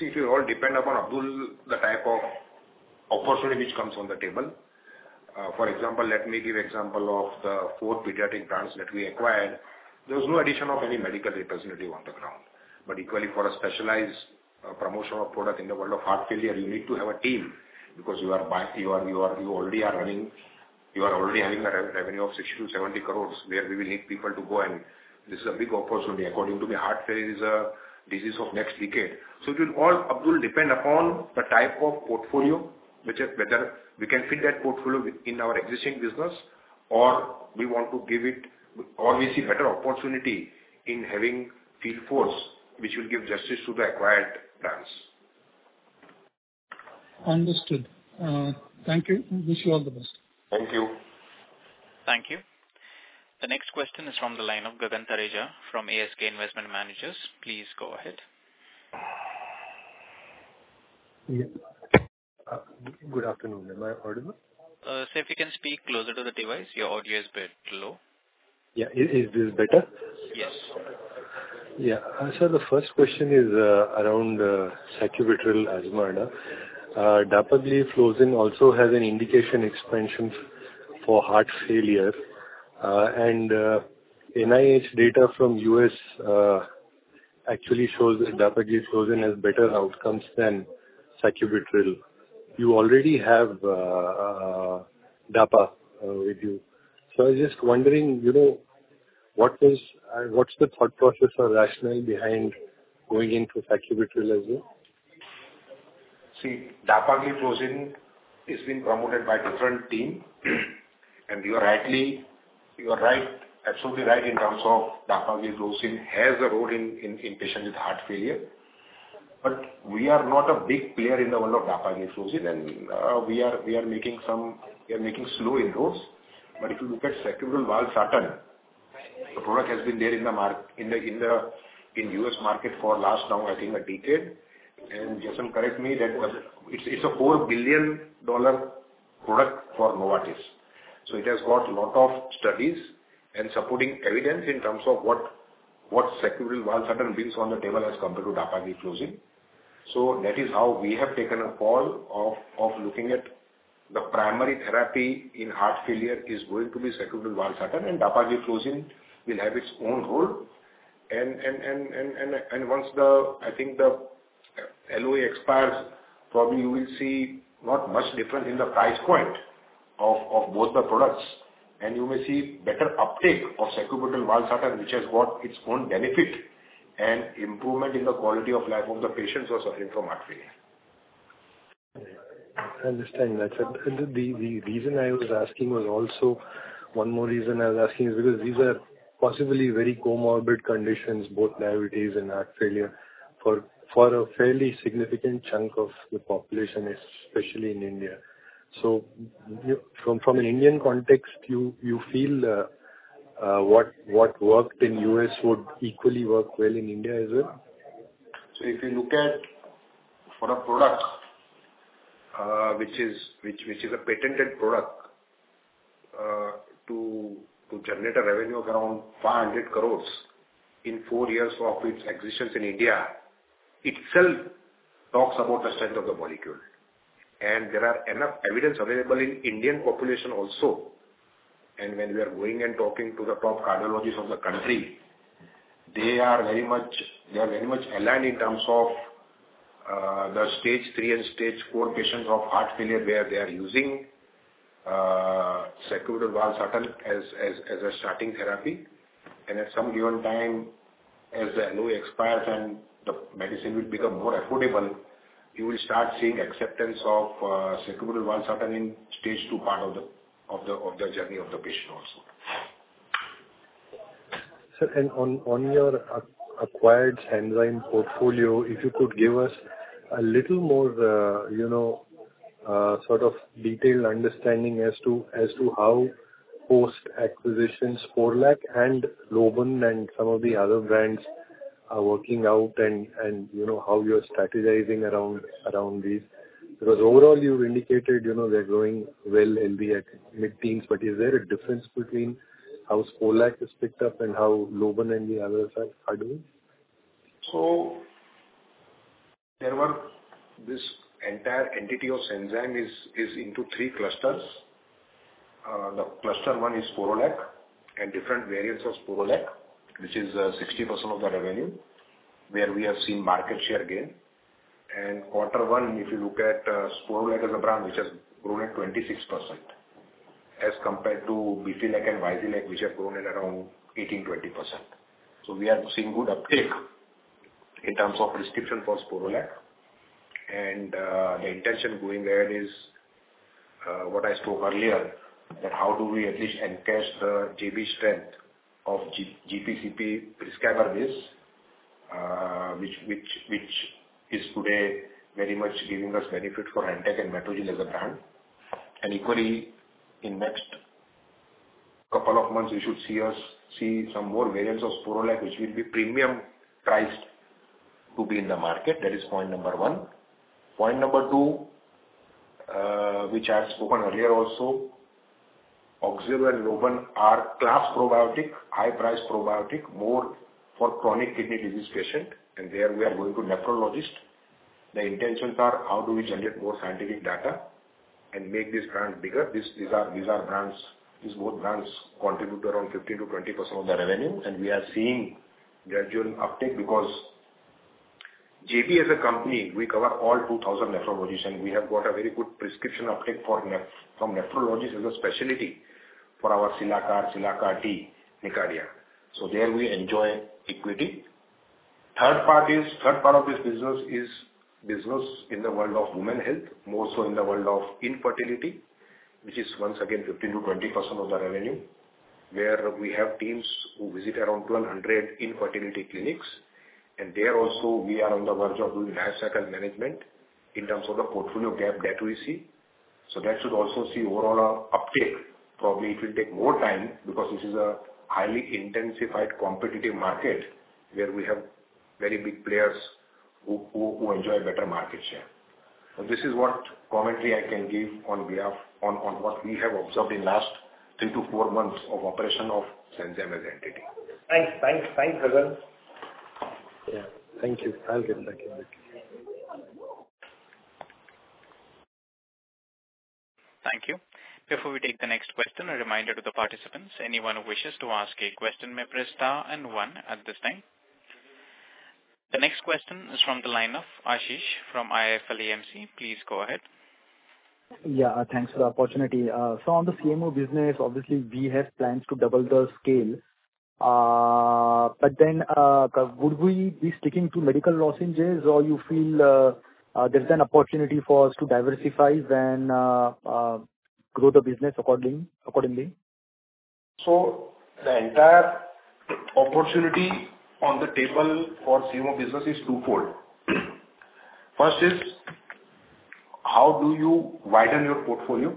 It will all depend upon, Abdul, the type of opportunity which comes on the table. For example, let me give example of the four pediatric brands that we acquired. There was no addition of any medical representative on the ground. Equally, for a specialized promotional product in the world of heart failure, you need to have a team because you are already having a revenue of 60-70 crore where we will need people to go, and this is a big opportunity. According to me, heart failure is a disease of next decade. It will all, Abdul, depend upon the type of portfolio, which is whether we can fit that portfolio within our existing business or we want to give it, or we see better opportunity in having field force which will give justice to the acquired brands. Understood. Thank you. Wish you all the best. Thank you. Thank you. The next question is from the line of Gagan Thareja from ASK Investment Managers. Please go ahead. Yes. Good afternoon. Am I audible? Sir, if you can speak closer to the device. Your audio is a bit low. Yeah. Is this better? Yes. Yeah. The first question is around sacubitril/valsartan. Dapagliflozin also has an indication expansion for heart failure. NIH data from U.S. actually shows that dapagliflozin has better outcomes than sacubitril. You already have Dapa with you. I was just wondering, you know, what's the thought process or rationale behind going into sacubitril as well? See, dapagliflozin is being promoted by a different team. You are right, absolutely right in terms of dapagliflozin has a role in patients with heart failure. We are not a big player in the world of dapagliflozin, and we are making slow inroads. If you look at sacubitril/valsartan, the product has been there in the US market for last now I think a decade. Jason D'Souza, correct me. It's a $4 billion product for Novartis. It has got lot of studies and supporting evidence in terms of what sacubitril/valsartan brings on the table as compared to dapagliflozin. that is how we have taken a call of looking at the primary therapy in heart failure is going to be sacubitril/valsartan, and dapagliflozin will have its own role. Once the LOE expires, I think you will see not much difference in the price point of both the products. You may see better uptake of sacubitril/valsartan, which has got its own benefit and improvement in the quality of life of the patients who are suffering from heart failure. I understand that. The reason I was asking is because these are possibly very comorbid conditions, both diabetes and heart failure, for a fairly significant chunk of the population, especially in India. From an Indian context, you feel what worked in U.S. would equally work well in India as well? If you look at a product which is a patented product to generate a revenue around 500 crores in 4 years of its existence in India, itself talks about the strength of the molecule. There are enough evidence available in Indian population also. When we are going and talking to the top cardiologists of the country, they are very much aligned in terms of the stage 3 and stage 4 patients of heart failure, where they are using sacubitril/valsartan as a starting therapy. At some given time, as the LOE expires and the medicine will become more affordable, you will start seeing acceptance of sacubitril/valsartan in stage 2 part of the journey of the patient also. Sir, on your acquired Sanzyme portfolio, if you could give us a little more, you know, sort of detailed understanding as to how post-acquisition Sporlac and Lobun and some of the other brands are working out and, you know, how you're strategizing around these. Because overall you indicated, you know, they're growing well and be at mid-teens, but is there a difference between how Sporlac has picked up and how Lobun and the others are doing? There was this entire entity of Sanzyme into three clusters. Cluster one is Sporlac and different variants of Sporlac, which is 60% of the revenue, where we have seen market share gain. Quarter one, if you look at Sporlac as a brand, which has grown at 26% as compared to Bifilac and Vizylac, which have grown at around 18%-20%. We are seeing good uptake in terms of prescription for Sporlac. The intention going ahead is what I spoke earlier, that how do we at least encash the JB strength of GP/CP prescriber base, which is today very much giving us benefit for Rantac and Metrogyl as a brand. Equally in next couple of months, you should see some more variants of Sporlac, which will be premium priced to be in the market. That is point number one. Point number two, which I've spoken earlier also, Oxalo and Lobun are class probiotic, high-priced probiotic, more for chronic kidney disease patient, and there we are going to nephrologist. The intentions are how do we generate more scientific data and make this brand bigger. These are brands. These both brands contribute around 15%-20% of the revenue, and we are seeing gradual uptake because JB as a company, we cover all 2,000 nephrologists, and we have got a very good prescription uptake from nephrologists as a specialty for our Cilacar T, Nicardia. So there we enjoy equity. The third part of this business is the business in the world of women's health, more so in the world of infertility, which is once again 15%-20% of the revenue, where we have teams who visit around 1,200 infertility clinics. There we are also on the verge of doing life cycle management in terms of the portfolio gap that we see. That should also see overall uptake. Probably it will take more time because this is a highly intensified competitive market where we have very big players who enjoy better market share. This is what commentary I can give on what we have observed in last 3-4 months of operation of Sanzyme as entity. Thanks, Gagan. Yeah. Thank you. I'll get back in touch. Thank you. Before we take the next question, a reminder to the participants, anyone who wishes to ask a question may press star and one at this time. The next question is from the line of Ashish from IIFL AMC. Please go ahead. Yeah. Thanks for the opportunity. On the CMO business, obviously we have plans to double the scale. Would we be sticking to medical lozenges or you feel there's an opportunity for us to diversify then grow the business accordingly? The entire opportunity on the table for CMO business is twofold. First is how do you widen your portfolio?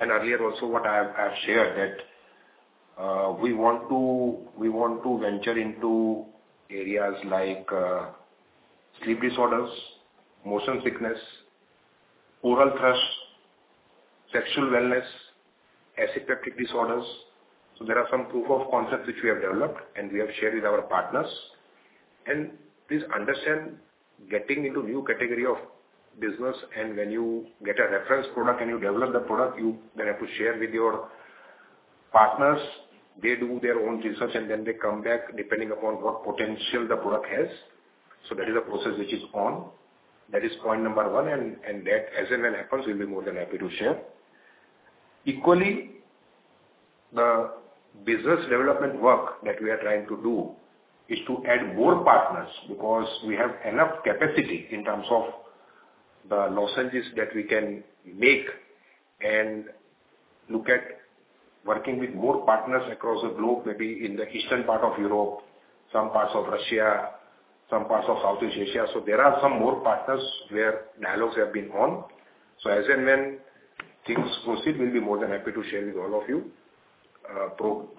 Earlier also what I have, I have shared that we want to venture into areas like sleep disorders, motion sickness, oral thrush, sexual wellness, aseptic disorders. There are some proof of concepts which we have developed and we have shared with our partners. Please understand, getting into new category of business, and when you get a reference product and you develop the product, you then have to share with your partners. They do their own research, and then they come back depending upon what potential the product has. That is a process which is on. That is point number one, and that as and when happens, we'll be more than happy to share. Equally, the business development work that we are trying to do is to add more partners, because we have enough capacity in terms of the lozenges that we can make and look at working with more partners across the globe, maybe in the eastern part of Europe, some parts of Russia, some parts of Southeast Asia. There are some more partners where dialogues have been on. As and when things proceed, we'll be more than happy to share with all of you.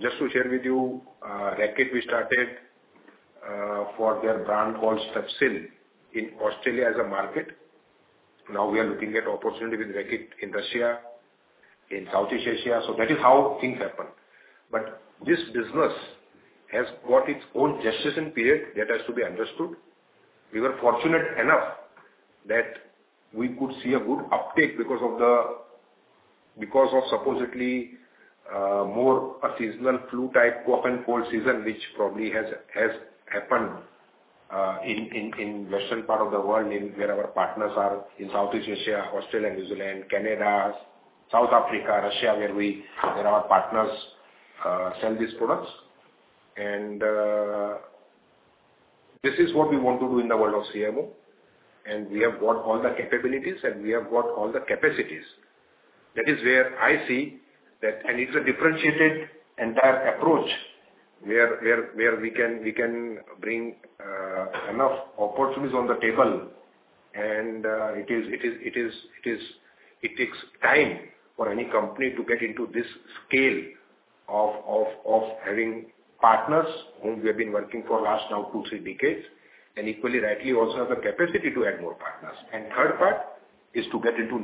Just to share with you, Reckitt we started for their brand called Strepsils in Australia as a market. Now we are looking at opportunity with Reckitt in Russia, in Southeast Asia. That is how things happen. This business has got its own gestation period that has to be understood. We were fortunate enough that we could see a good uptake because of supposedly more of a seasonal flu type, cough and cold season, which probably has happened in western part of the world where our partners are in Southeast Asia, Australia, New Zealand, Canada, South Africa, Russia, where our partners sell these products. This is what we want to do in the world of CMO, and we have got all the capabilities, and we have got all the capacities. That is where I see that. It's a differentiated entire approach where we can bring enough opportunities on the table and it is. It takes time for any company to get into this scale of having partners whom we have been working for last now two, three decades. Equally, Reckitt also has the capacity to add more partners. Third part is to get into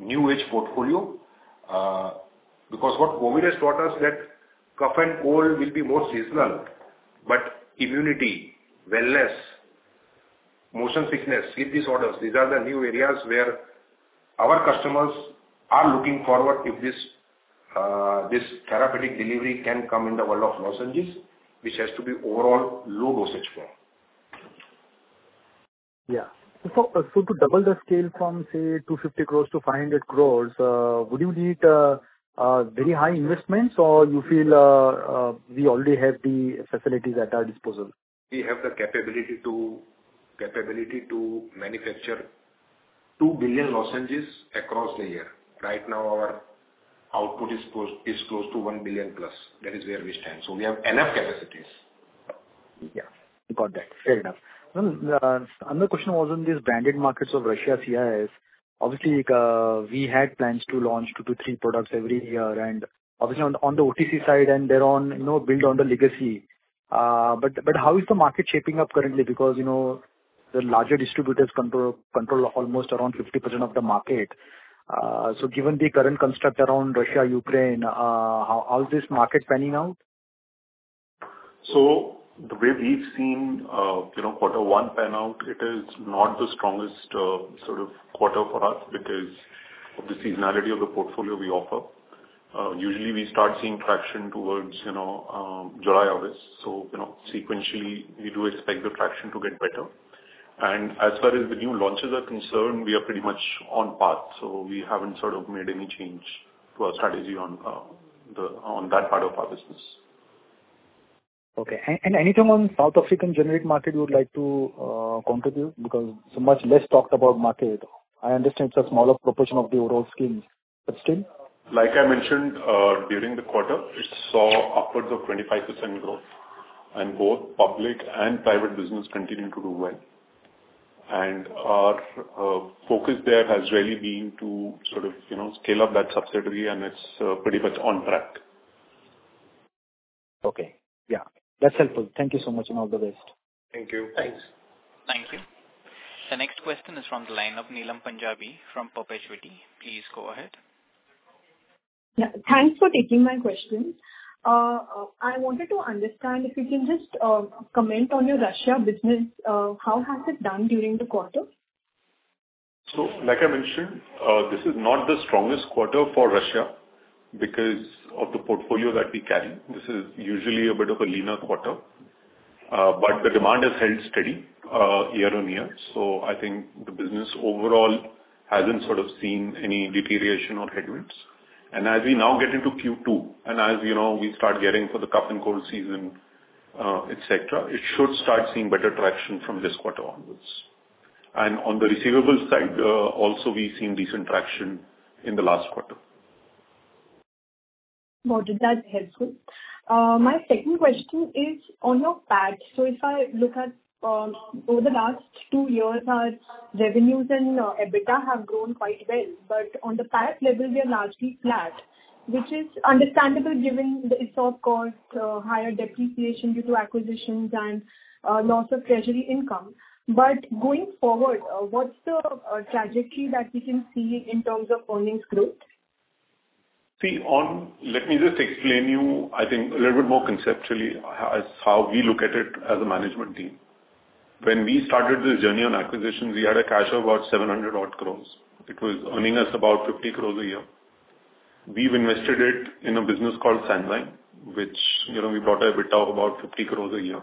new-age portfolio, because what COVID has taught us that cough and cold will be more seasonal, but immunity, wellness, motion sickness, sleep disorders, these are the new areas where our customers are looking forward if this therapeutic delivery can come in the world of lozenges, which has to be overall low dosage form. To double the scale from, say, 250 crores to 500 crores, would you need very high investments? Or you feel we already have the facilities at our disposal? We have the capability to manufacture 2 billion lozenges across the year. Right now, our output is close to 1 billion plus. That is where we stand. We have enough capacities. Yeah. Got that. Fair enough. Another question was on these branded markets of Russia, CIS. Obviously, we had plans to launch 2-3 products every year, and obviously on the OTC side and thereon, you know, build on the legacy. But how is the market shaping up currently? Because, you know, the larger distributors control almost around 50% of the market. Given the current construct around Russia, Ukraine, how is this market panning out? The way we've seen, you know, quarter one pan out, it is not the strongest sort of quarter for us because of the seasonality of the portfolio we offer. Usually we start seeing traction towards, you know, July, August. You know, sequentially, we do expect the traction to get better. As far as the new launches are concerned, we are pretty much on track. We haven't sort of made any change to our strategy on that part of our business. Okay. Anything on South African generic market you would like to contribute? Because it's a much less talked about market. I understand it's a smaller proportion of the overall scheme, but still. Like I mentioned, during the quarter, it saw upwards of 25% growth, and both public and private business continue to do well. Our focus there has really been to sort of, you know, scale up that subsidiary and it's pretty much on track. Okay. Yeah. That's helpful. Thank you so much, and all the best. Thank you. Thanks. Thank you. The next question is from the line of Neelam Punjabi from Perpetuity. Please go ahead. Yeah. Thanks for taking my question. I wanted to understand if you can just comment on your Russia business. How has it done during the quarter? Like I mentioned, this is not the strongest quarter for Russia because of the portfolio that we carry. This is usually a bit of a leaner quarter. The demand has held steady year-on-year. I think the business overall hasn't sort of seen any deterioration or headwinds. As we now get into Q2, and as you know, we start gearing for the cough and cold season, et cetera, it should start seeing better traction from this quarter onwards. On the receivables side, also we've seen decent traction in the last quarter. Got it. That's helpful. My second question is on your PAT. If I look at over the last two years, our revenues and EBITDA have grown quite well, but on the PAT level they are largely flat, which is understandable given the ESOP cost, higher depreciation due to acquisitions and loss of treasury income. Going forward, what's the trajectory that we can see in terms of earnings growth? See, let me just explain to you, I think a little bit more conceptually how we look at it as a management team. When we started this journey on acquisitions, we had a cash of about 700-odd crore. It was earning us about 50 crore a year. We've invested it in a business called Sanzyme, which, you know, we brought a EBITDA of about 50 crore a year.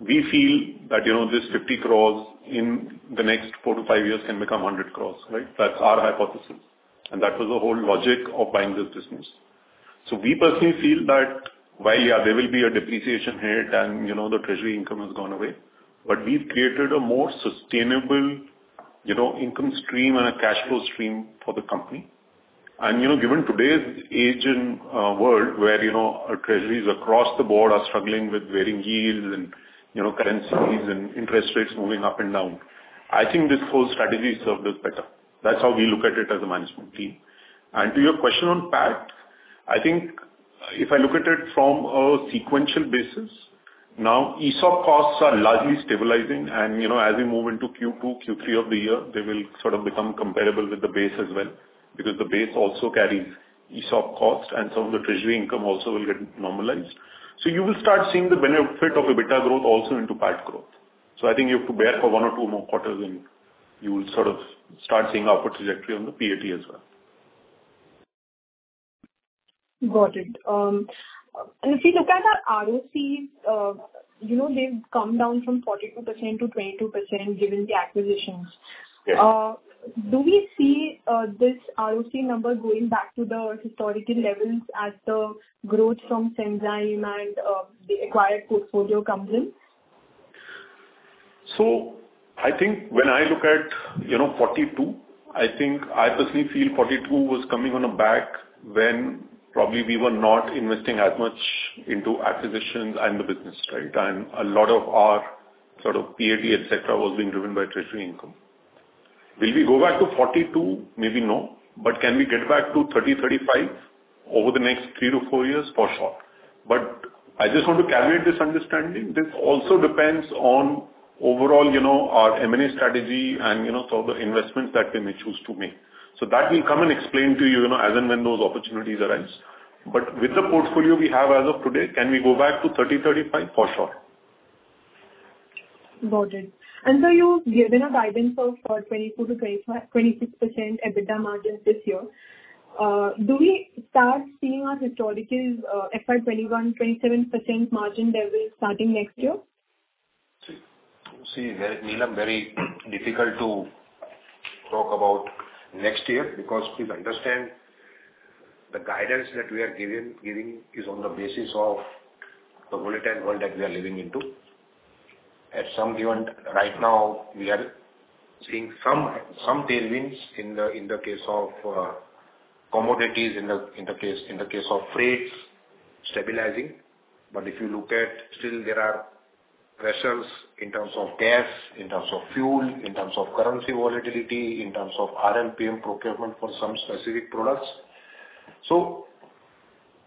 We feel that, you know, this 50 crore in the next 4-5 years can become 100 crore, right? That's our hypothesis, and that was the whole logic of buying this business. We personally feel that while, yeah, there will be a depreciation hit and, you know, the treasury income has gone away, but we've created a more sustainable, you know, income stream and a cash flow stream for the company. You know, given today's age and world where, you know, our treasuries across the board are struggling with varying yields and, you know, currencies and interest rates moving up and down, I think this whole strategy served us better. That's how we look at it as a management team. To your question on PAT, I think if I look at it from a sequential basis, now ESOP costs are largely stabilizing. You know, as we move into Q2, Q3 of the year, they will sort of become comparable with the base as well, because the base also carries ESOP cost and some of the treasury income also will get normalized. You will start seeing the benefit of EBITDA growth also into PAT growth. I think you have to bear for one or two more quarters and you will sort of start seeing upward trajectory on the PAT as well. Got it. If we look at our ROCEs, you know, they've come down from 42%-22% given the acquisitions. Yes. Do we see this ROCE number going back to the historical levels as the growth from Sanzyme and the acquired portfolio comes in? I think when I look at, you know, 42%, I think I personally feel 42% was coming on a back when probably we were not investing as much into acquisitions and the business, right? A lot of our sort of PAT, et cetera, was being driven by treasury income. Will we go back to 42%? Maybe no. Can we get back to 30%-35% over the next 3-4 years? For sure. I just want to caveat this understanding. This also depends on overall, you know, our M&A strategy and, you know, sort of investments that we may choose to make. That will come and explain to you know, as and when those opportunities arise. With the portfolio we have as of today, can we go back to 30%-35%? For sure. Got it. You've given a guidance of about 22%-26% EBITDA margin this year. Do we start seeing our historical, FY 2021, 27% margin there starting next year? See, very difficult to talk about next year because please understand the guidance that we are giving is on the basis of the volatile world that we are living in. As of right now, we are seeing some tailwinds in the case of commodities, in the case of freights stabilizing. But if you look at still there are pressures in terms of gas, in terms of fuel, in terms of currency volatility, in terms of RMPM procurement for some specific products. So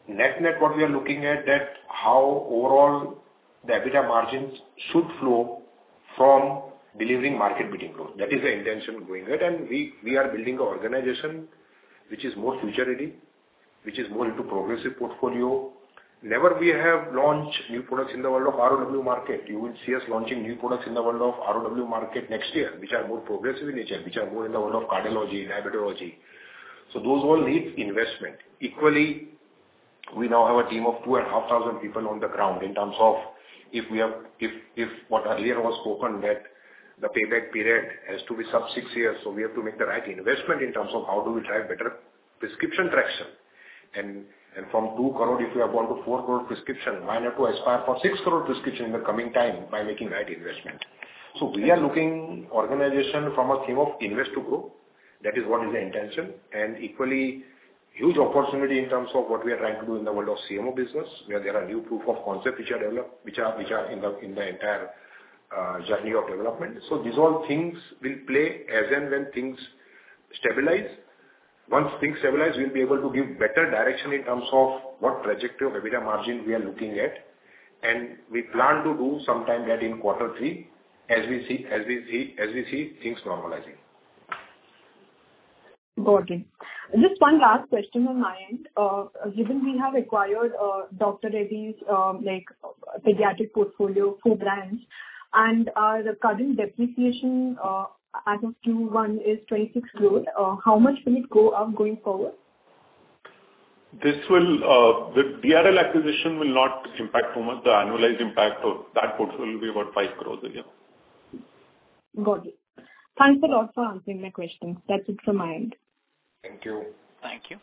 net-net what we are looking at is how overall the EBITDA margins should flow from delivering market-beating growth. That is the intention going ahead. We are building an organization which is more future ready, which is more into progressive portfolio. Never we have launched new products in the world of ROW market. You will see us launching new products in the world of ROW market next year, which are more progressive in nature, which are more in the world of cardiology, diabetology. Those all need investment. Equally, we now have a team of 2,500 people on the ground in terms of if what earlier was spoken, that the payback period has to be sub 6 years, so we have to make the right investment in terms of how do we drive better prescription traction. From 2 crore, if you have gone to 4 crore prescription, one have to aspire for 6 crore prescription in the coming time by making right investment. We are looking organization from a theme of invest to grow. That is what is the intention. Equally huge opportunity in terms of what we are trying to do in the world of CMO business, where there are new proof of concept which are developed, in the entire journey of development. These all things will play as and when things stabilize. Once things stabilize, we'll be able to give better direction in terms of what trajectory of EBITDA margin we are looking at. We plan to do sometime that in quarter three as we see things normalizing. Got it. Just one last question on my end. Given we have acquired Dr. Reddy's like pediatric portfolio, 4 brands, and the current depreciation as of Q1 is 26 crore, how much will it go up going forward? The DRL acquisition will not impact too much. The annualized impact of that portfolio will be about 5 crore a year. Got it. Thanks a lot for answering my questions. That's it from my end. Thank you. Thank you.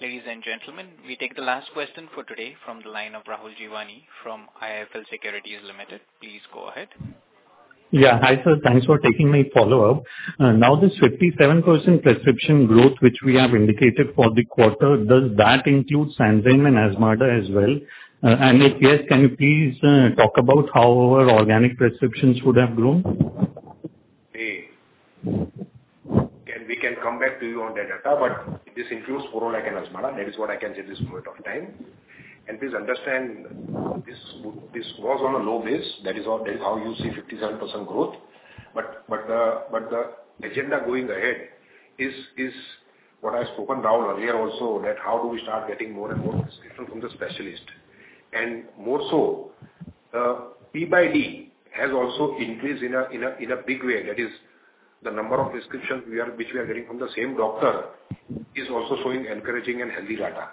Ladies and gentlemen, we take the last question for today from the line of Rahul Jeewani from IIFL Securities Limited. Please go ahead. Hi, sir. Thanks for taking my follow-up. Now this 57% prescription growth which we have indicated for the quarter, does that include Sanzyme and Azmarda as well? And if yes, can you please talk about how our organic prescriptions would have grown? We can come back to you on that data, but this includes Sporlac and Azmarda. That is what I can say at this point in time. Please understand this grows on a low base. That is all. That is how you see 57% growth. The agenda going ahead is what I've spoken, Rahul, earlier also that how do we start getting more and more prescription from the specialist. More so, P by D has also increased in a big way. That is the number of prescriptions we are getting from the same doctor is also showing encouraging and healthy data.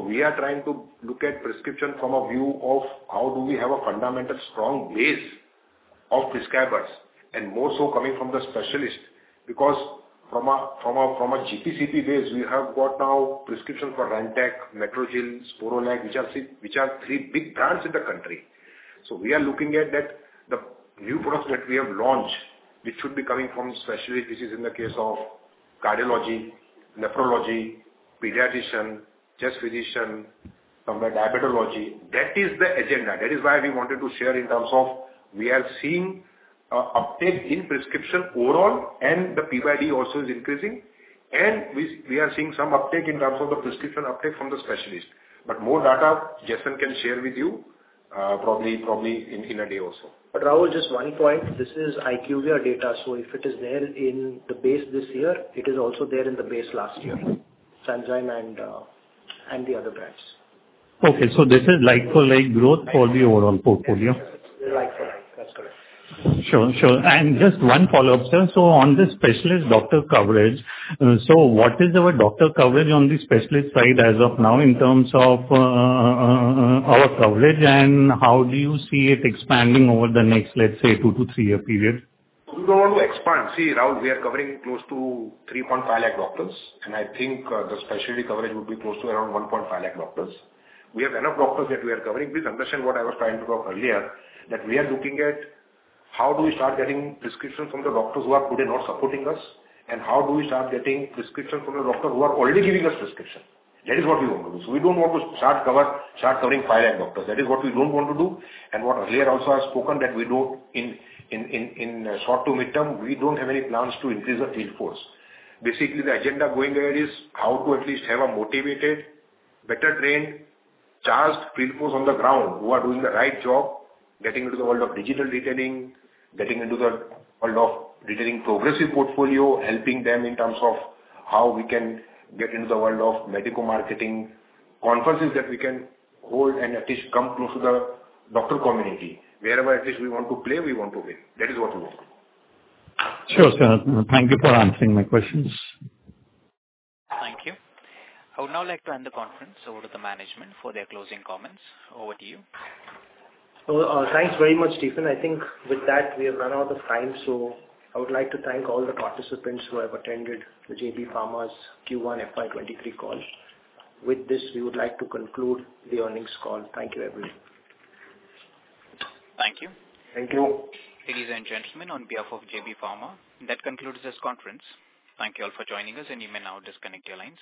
We are trying to look at prescription from a view of how do we have a fundamental strong base of prescribers, and more so coming from the specialist because from a GP/CP base, we have got now prescription for Rantac, Metrogyl, Sporlac, which are three big brands in the country. We are looking at that. The new products that we have launched, which should be coming from specialist, which is in the case of cardiology, nephrology, pediatrician, chest physician, from the diabetology. That is the agenda. That is why we wanted to share in terms of we are seeing a uptake in prescription overall and the P by D also is increasing, and we are seeing some uptake in terms of the prescription uptake from the specialist. More data, Jason D'Souza can share with you, probably in a day or so. Rahul, just one point. This is IQVIA data, so if it is there in the base this year, it is also there in the base last year, Sanzyme and the other brands. Okay, this is like-for-like growth for the overall portfolio. Like-for-like. That's correct. Just one follow-up, sir. So on the specialist doctor coverage, what is our doctor coverage on the specialist side as of now in terms of our coverage and how do you see it expanding over the next, let's say 2-3-year period? We don't want to expand. See, Rahul, we are covering close to 3.5 lakh doctors, and I think the specialty coverage would be close to around 1.5 lakh doctors. We have enough doctors that we are covering. Please understand what I was trying to talk earlier, that we are looking at how do we start getting prescriptions from the doctors who are today not supporting us, and how do we start getting prescriptions from the doctors who are already giving us prescription. That is what we want to do. So we don't want to start covering 5 lakh doctors. That is what we don't want to do. What earlier also I've spoken that we don't in short to midterm, we don't have any plans to increase the field force. Basically, the agenda going ahead is how to at least have a motivated, better trained, charged field force on the ground who are doing the right job, getting into the world of digital detailing, getting into the world of detailing progressive portfolio, helping them in terms of how we can get into the world of medico marketing conferences that we can hold and at least come close to the doctor community. Wherever at least we want to play, we want to win. That is what we want. Sure, sir. Thank you for answering my questions. Thank you. I would now like to hand the conference over to the management for their closing comments. Over to you. Thanks very much, Stephen. I think with that we have run out of time, so I would like to thank all the participants who have attended the JB Pharma's Q1 FY 2023 call. With this, we would like to conclude the earnings call. Thank you, everyone. Thank you. Thank you. Ladies and gentlemen, on behalf of JB Pharma, that concludes this conference. Thank you all for joining us, and you may now disconnect your lines.